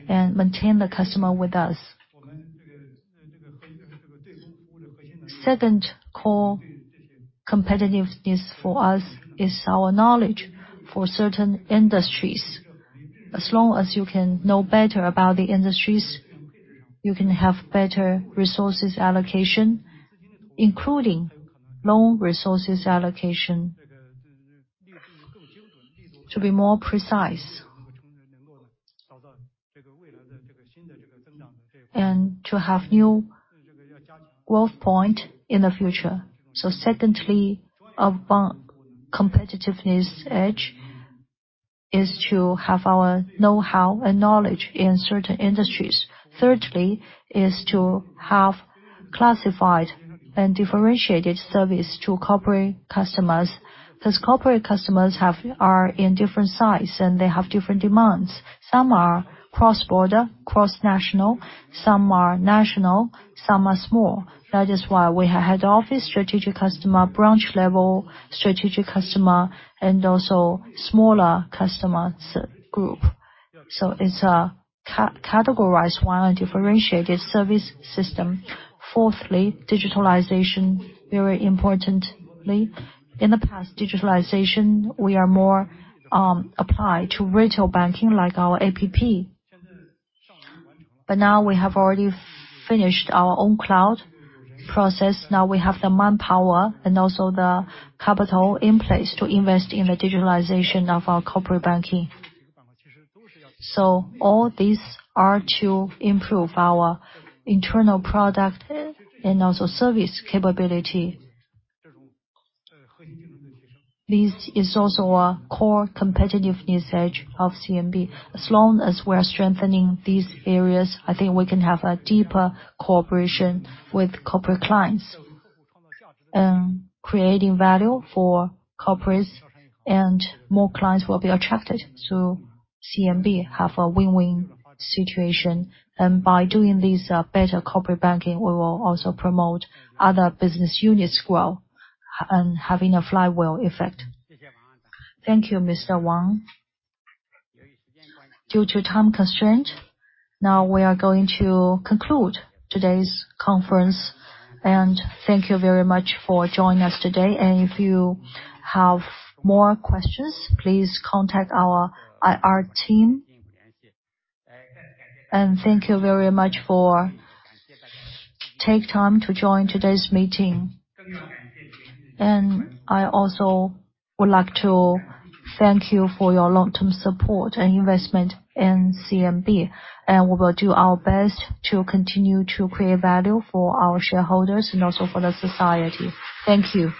and maintain the customer with us. Second core competitiveness for us is our knowledge for certain industries. As long as you can know better about the industries, you can have better resources allocation, including loan resources allocation, to be more precise. And to have new growth point in the future. So secondly, our bank competitiveness edge is to have our know-how and knowledge in certain industries. Thirdly, is to have classified and differentiated service to corporate customers. These corporate customers are in different size, and they have different demands. Some are cross-border, cross-national, some are national, some are small. That is why we have head office, strategic customer, branch level, strategic customer, and also smaller customers group. So it's a categorized one, a differentiated service system. Fourthly, digitalization, very importantly. In the past, digitalization, we are more applied to retail banking, like our APP. But now we have already finished our own cloud process. Now we have the manpower and also the capital in place to invest in the digitalization of our corporate banking. So all these are to improve our internal product and also service capability. This is also a core competitiveness edge of CMB. As long as we are strengthening these areas, I think we can have a deeper cooperation with corporate clients, and creating value for corporates, and more clients will be attracted to CMB, have a win-win situation. And by doing this, better corporate banking, we will also promote other business units grow, and having a flywheel effect. Thank you, Mr. Wang. Due to time constraint, now we are going to conclude today's conference, and thank you very much for joining us today. And if you have more questions, please contact our IR team. And thank you very much for take time to join today's meeting. And I also would like to thank you for your long-term support and investment in CMB, and we will do our best to continue to create value for our shareholders and also for the society. Thank you!